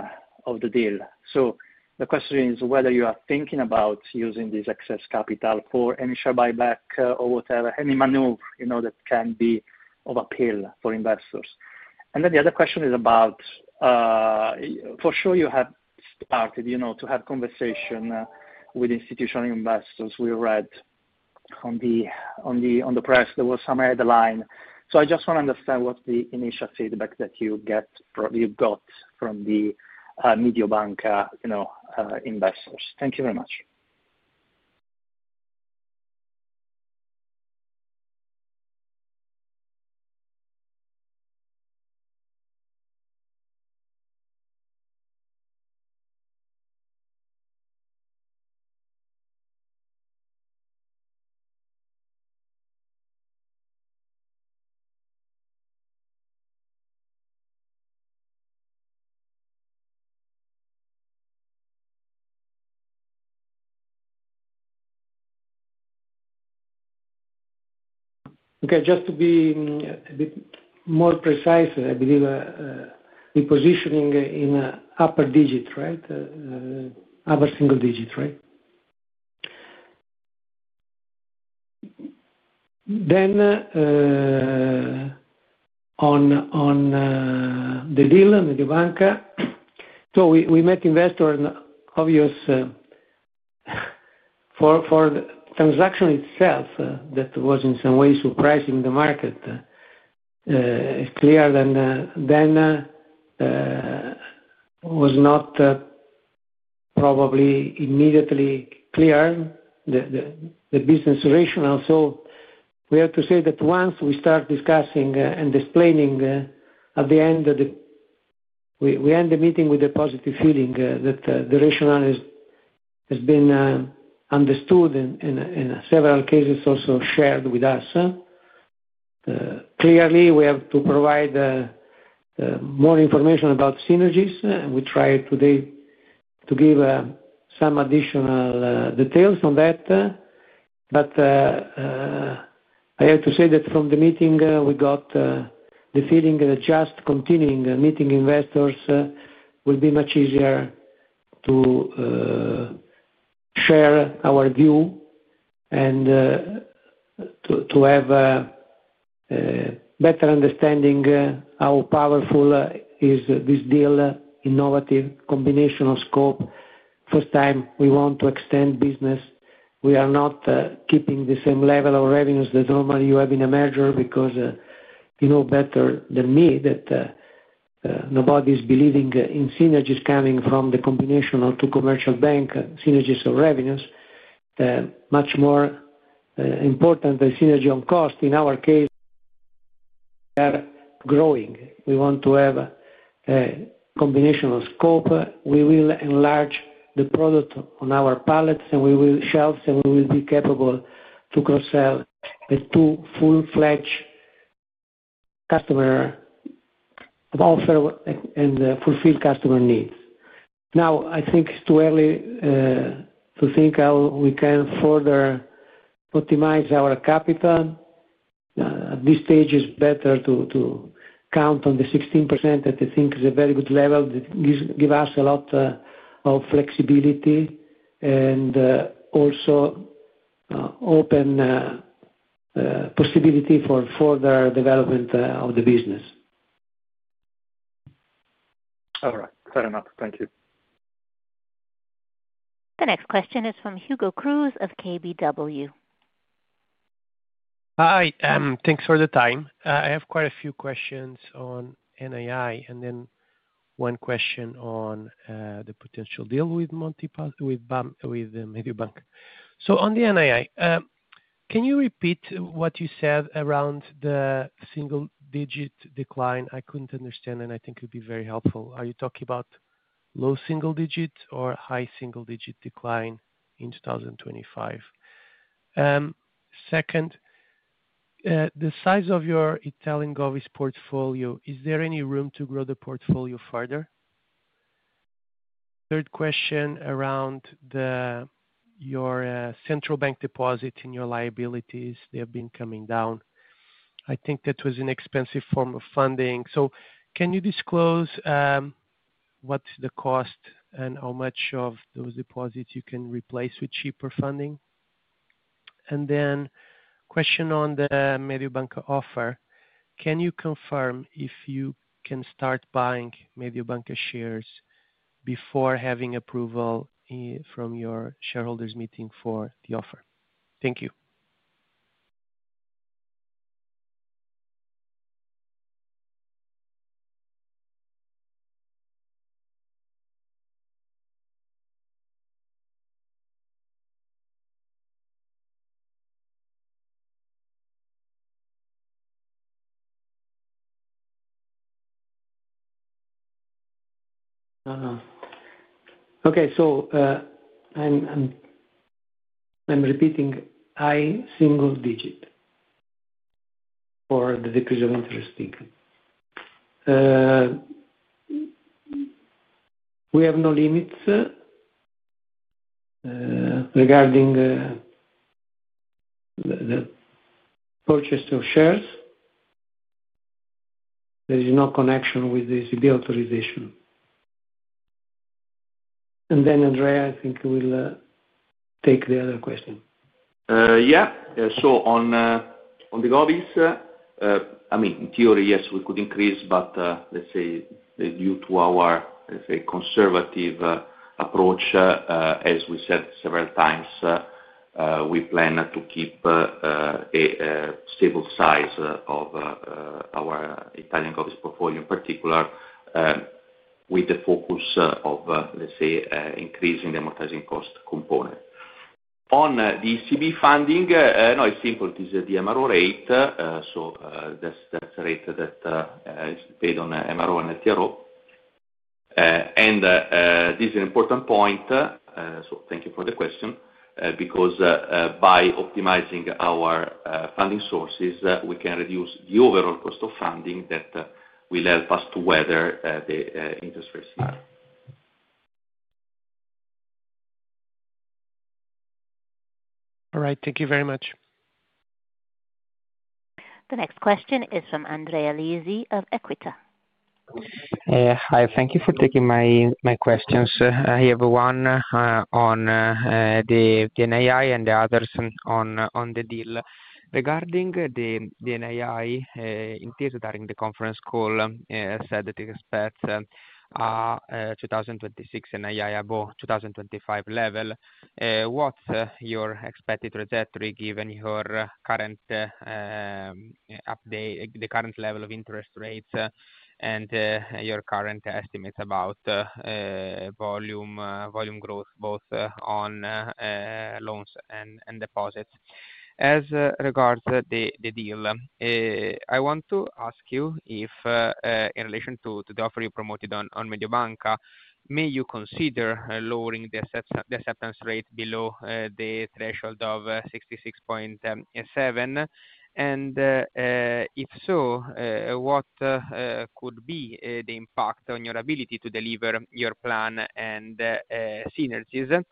of the deal? So the question is whether you are thinking about using this excess capital for any share buyback or whatever, any maneuver that can be of appeal for investors. And then the other question is about, for sure, you have started to have conversation with institutional investors. We read on the press there was some headline. So I just want to understand what the initial feedback that you got from the Mediobanca investors. Thank you very much. Okay, just to be a bit more precise, I believe the positioning in upper digits, right? Upper single digits, right? Then on the deal, Mediobanca, so we met investors. Obvious for the transaction itself that was in some ways surprising the market. It's clear then was not probably immediately clear the business rationale. So we have to say that once we start discussing and explaining, at the end of the we end the meeting with a positive feeling that the rationale has been understood and in several cases also shared with us. Clearly, we have to provide more information about synergies. We try today to give some additional details on that. But I have to say that from the meeting, we got the feeling that just continuing meeting investors will be much easier to share our view and to have a better understanding how powerful is this deal, innovative combination of scope. First time we want to extend business. We are not keeping the same level of revenues that normally you have in a merger because you know better than me that nobody is believing in synergies coming from the combination of two commercial bank synergies of revenues. Much more important than synergy on cost. In our case, we are growing. We want to have a combination of scope. We will enlarge the product on our palette and we will sell and we will be capable to cross-sell with two full-fledged customer offer and fulfill customer needs. Now, I think it's too early to think how we can further optimize our capital. At this stage, it's better to count on the 16% that I think is a very good level that gives us a lot of flexibility and also open possibility for further development of the business. All right. Fair enough. Thank you. The next question is from Hugo Cruz of KBW. Hi. Thanks for the time. I have quite a few questions on NII and then one question on the potential deal with Mediobanca. So on the NII, can you repeat what you said around the single digit decline? I couldn't understand, and I think it would be very helpful. Are you talking about low single digit or high single digit decline in 2025? Second, the size of your Italian GOV portfolio, is there any room to grow the portfolio further? Third question around your central bank deposit and your liabilities, they have been coming down. I think that was an expensive form of funding. So can you disclose what's the cost and how much of those deposits you can replace with cheaper funding? And then, question on the Mediobanca offer: can you confirm if you can start buying Mediobanca shares before having approval from your shareholders' meeting for the offer? Thank you. Okay, so I'm repeating high single digit for the decrease of interest income. We have no limits regarding the purchase of shares. There is no connection with the authorization. And then Andrea, I think you will take the other question. Yeah. So on the Govies, I mean, in theory, yes, we could increase, but let's say due to our, let's say, conservative approach, as we said several times, we plan to keep a stable size of our Italian Govies portfolio in particular with the focus of, let's say, increasing the amortizing cost component. On the ECB funding, no, it's simple. It is the MRO rate. So that's the rate that is paid on MRO and LTRO. And this is an important point, so thank you for the question, because by optimizing our funding sources, we can reduce the overall cost of funding that will help us to weather the interest rate scenario. All right. Thank you very much. The next question is from Andrea Lisi of Equita. Hi. Thank you for taking my questions. I have one on the NII and the others on the deal. Regarding the NII, in case during the conference call, said that the expects are 2026 NII above 2025 level. What's your expected trajectory given your current level of interest rates and your current estimates about volume growth both on loans and deposits? As regards the deal, I want to ask you if, in relation to the offer you promoted on Mediobanca, may you consider lowering the acceptance rate below the threshold of 66.7%? If so, what could be the impact on your ability to deliver your plan and synergies?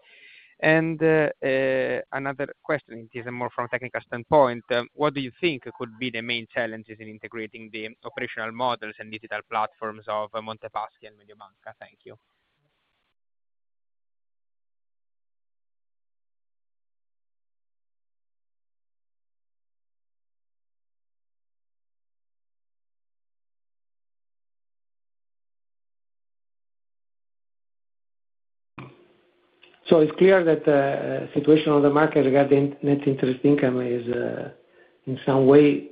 Another question, it is more from a technical standpoint. What do you think could be the main challenges in integrating the operational models and digital platforms of Monte Paschi and Mediobanca? Thank you. It's clear that the situation on the market regarding net interest income is in some way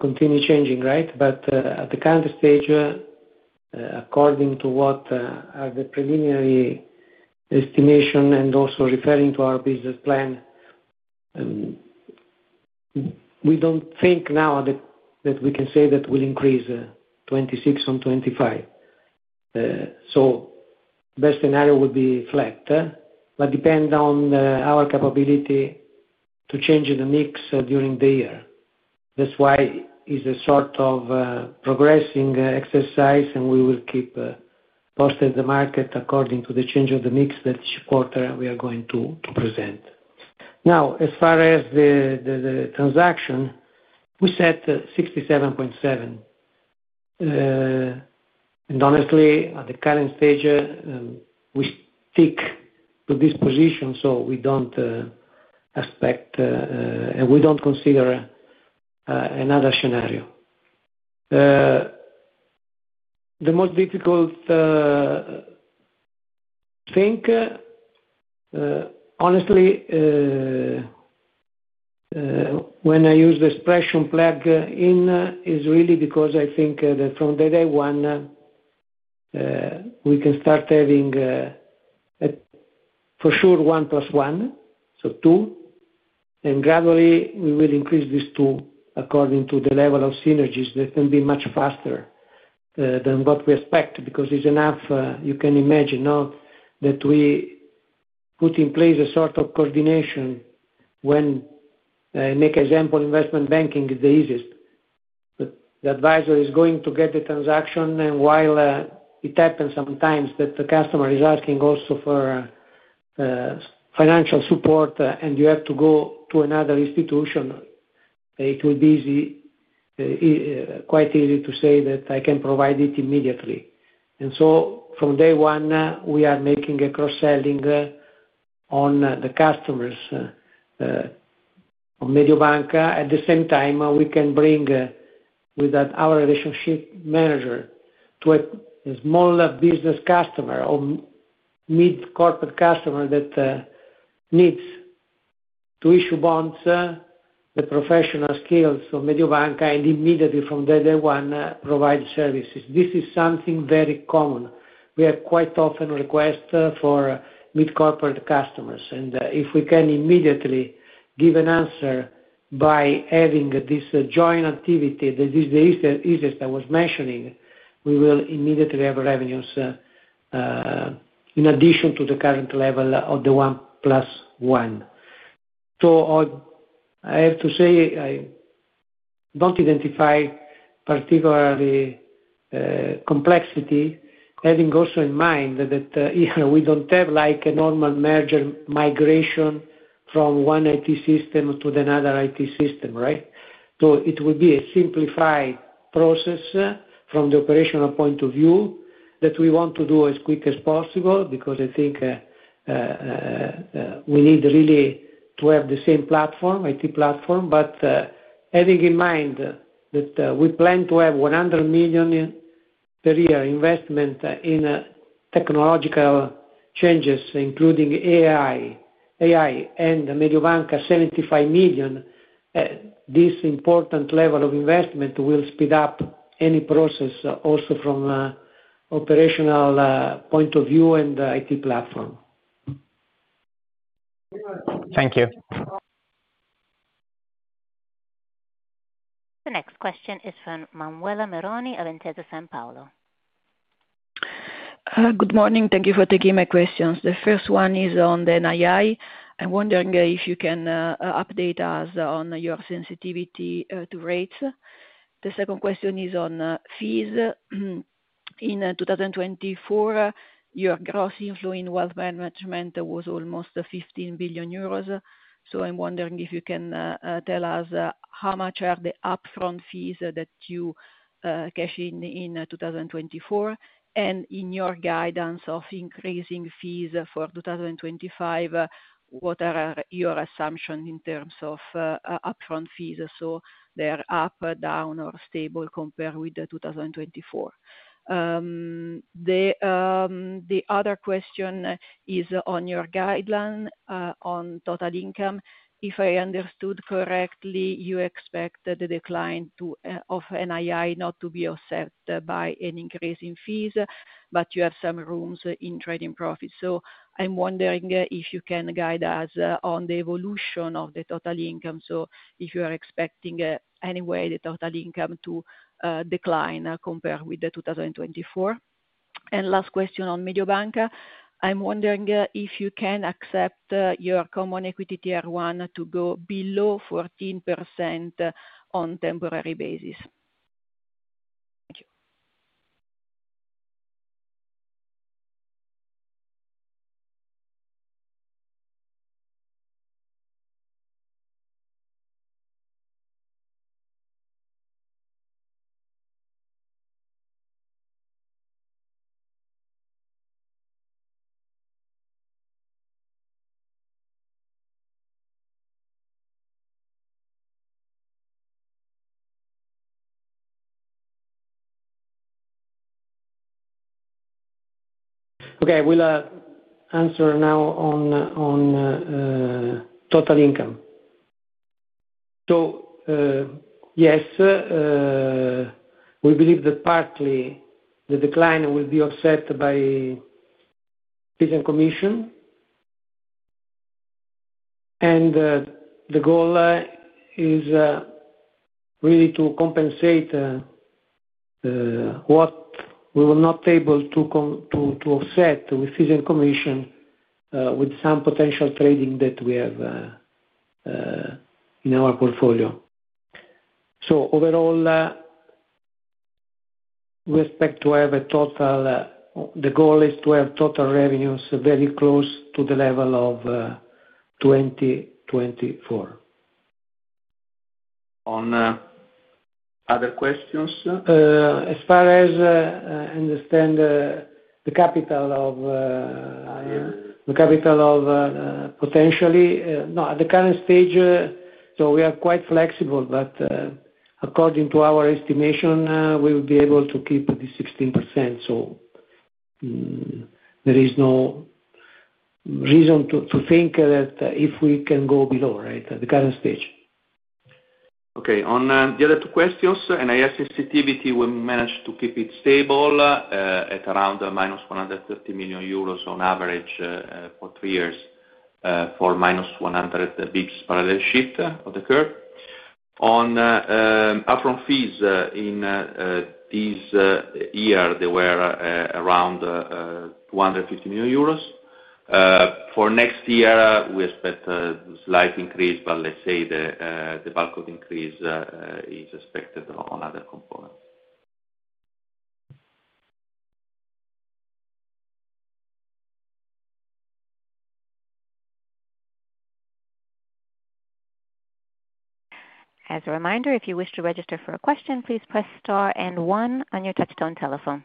continually changing, right? But at the current stage, according to what are the preliminary estimations and also referring to our business plan, we don't think now that we can say that we'll increase 2026 on 2025. The best scenario would be flat, but it depends on our capability to change the mix during the year. That's why it's a sort of progressing exercise, and we will keep posted the market according to the change of the mix that each quarter we are going to present. Now, as far as the transaction, we set 67.7. And honestly, at the current stage, we stick to this position, so we don't expect and we don't consider another scenario. The most difficult thing, honestly, when I use the expression plug in, is really because I think that from day one, we can start having for sure one plus one, so two, and gradually we will increase this two according to the level of synergies. That can be much faster than what we expect because it's enough, you can imagine, that we put in place a sort of coordination when I make an example, investment banking is the easiest. The advisor is going to get the transaction, and while it happens sometimes that the customer is asking also for financial support and you have to go to another institution, it will be quite easy to say that I can provide it immediately, and so from day one, we are making a cross-selling on the customers of Mediobanca. At the same time, we can bring, with our relationship manager, to a small business customer or mid-corporate customer that needs to issue bonds, the professional skills of Mediobanca, and immediately from day one provide services. This is something very common. We have quite often requests for mid-corporate customers, and if we can immediately give an answer by having this joint activity that is the easiest I was mentioning, we will immediately have revenues in addition to the current level of the one plus one. I have to say I don't identify particularly complexity, having also in mind that we don't have like a normal merger migration from one IT system to another IT system, right? So it will be a simplified process from the operational point of view that we want to do as quick as possible because I think we need really to have the same platform, IT platform, but having in mind that we plan to have 100 million per year investment in technological changes, including AI, and Mediobanca 75 million, this important level of investment will speed up any process also from an operational point of view and IT platform. Thank you. The next question is from Manuela Meroni of Intesa Sanpaolo. Good morning. Thank you for taking my questions. The first one is on the NII. I'm wondering if you can update us on your sensitivity to rates? The second question is on fees. In 2024, your gross inflows in wealth management was almost 15 billion euros. So I'm wondering if you can tell us how much are the upfront fees that you cash in in 2024? And in your guidance of increasing fees for 2025, what are your assumptions in terms of upfront fees? So they're up, down, or stable compared with 2024? The other question is on your guidance on total income. If I understood correctly, you expect the decline of NII not to be offset by an increase in fees, but you have some room in trading profits. So I'm wondering if you can guide us on the evolution of the total income. So if you are expecting anyway the total income to decline compared with 2024. Last question on Mediobanca, I'm wondering if you can accept your Common Equity Tier 1 to go below 14% on a temporary basis. Thank you. Okay. We'll answer now on total income. Yes, we believe that partly the decline will be offset by fees and commission. And the goal is really to compensate what we were not able to offset with fees and commission with some potential trading that we have in our portfolio. Overall, we expect to have a total; the goal is to have total revenues very close to the level of 2024. On other questions? As far as I understand, the capital of potentially no, at the current stage, so we are quite flexible, but according to our estimation, we will be able to keep the 16%. So there is no reason to think that if we can go below, right, at the current stage. Okay. On the other two questions, NII sensitivity, we managed to keep it stable at around minus 130 million euros on average for three years for minus 100 basis points of the curve. On upfront fees, in this year, they were around 250 million euros. For next year, we expect a slight increase, but let's say the bulk of the increase is expected on other components. As a reminder, if you wish to register for a question, please press star and one on your touch-tone telephone.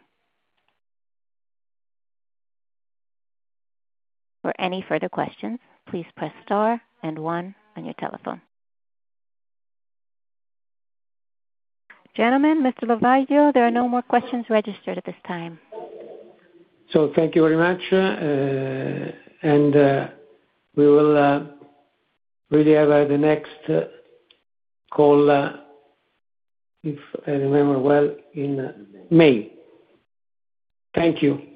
For any further questions, please press star and one on your telephone. Gentlemen, Mr. Lovaglio, there are no more questions registered at this time. So thank you very much. And we will really have the next call, if I remember well, in May. Thank you.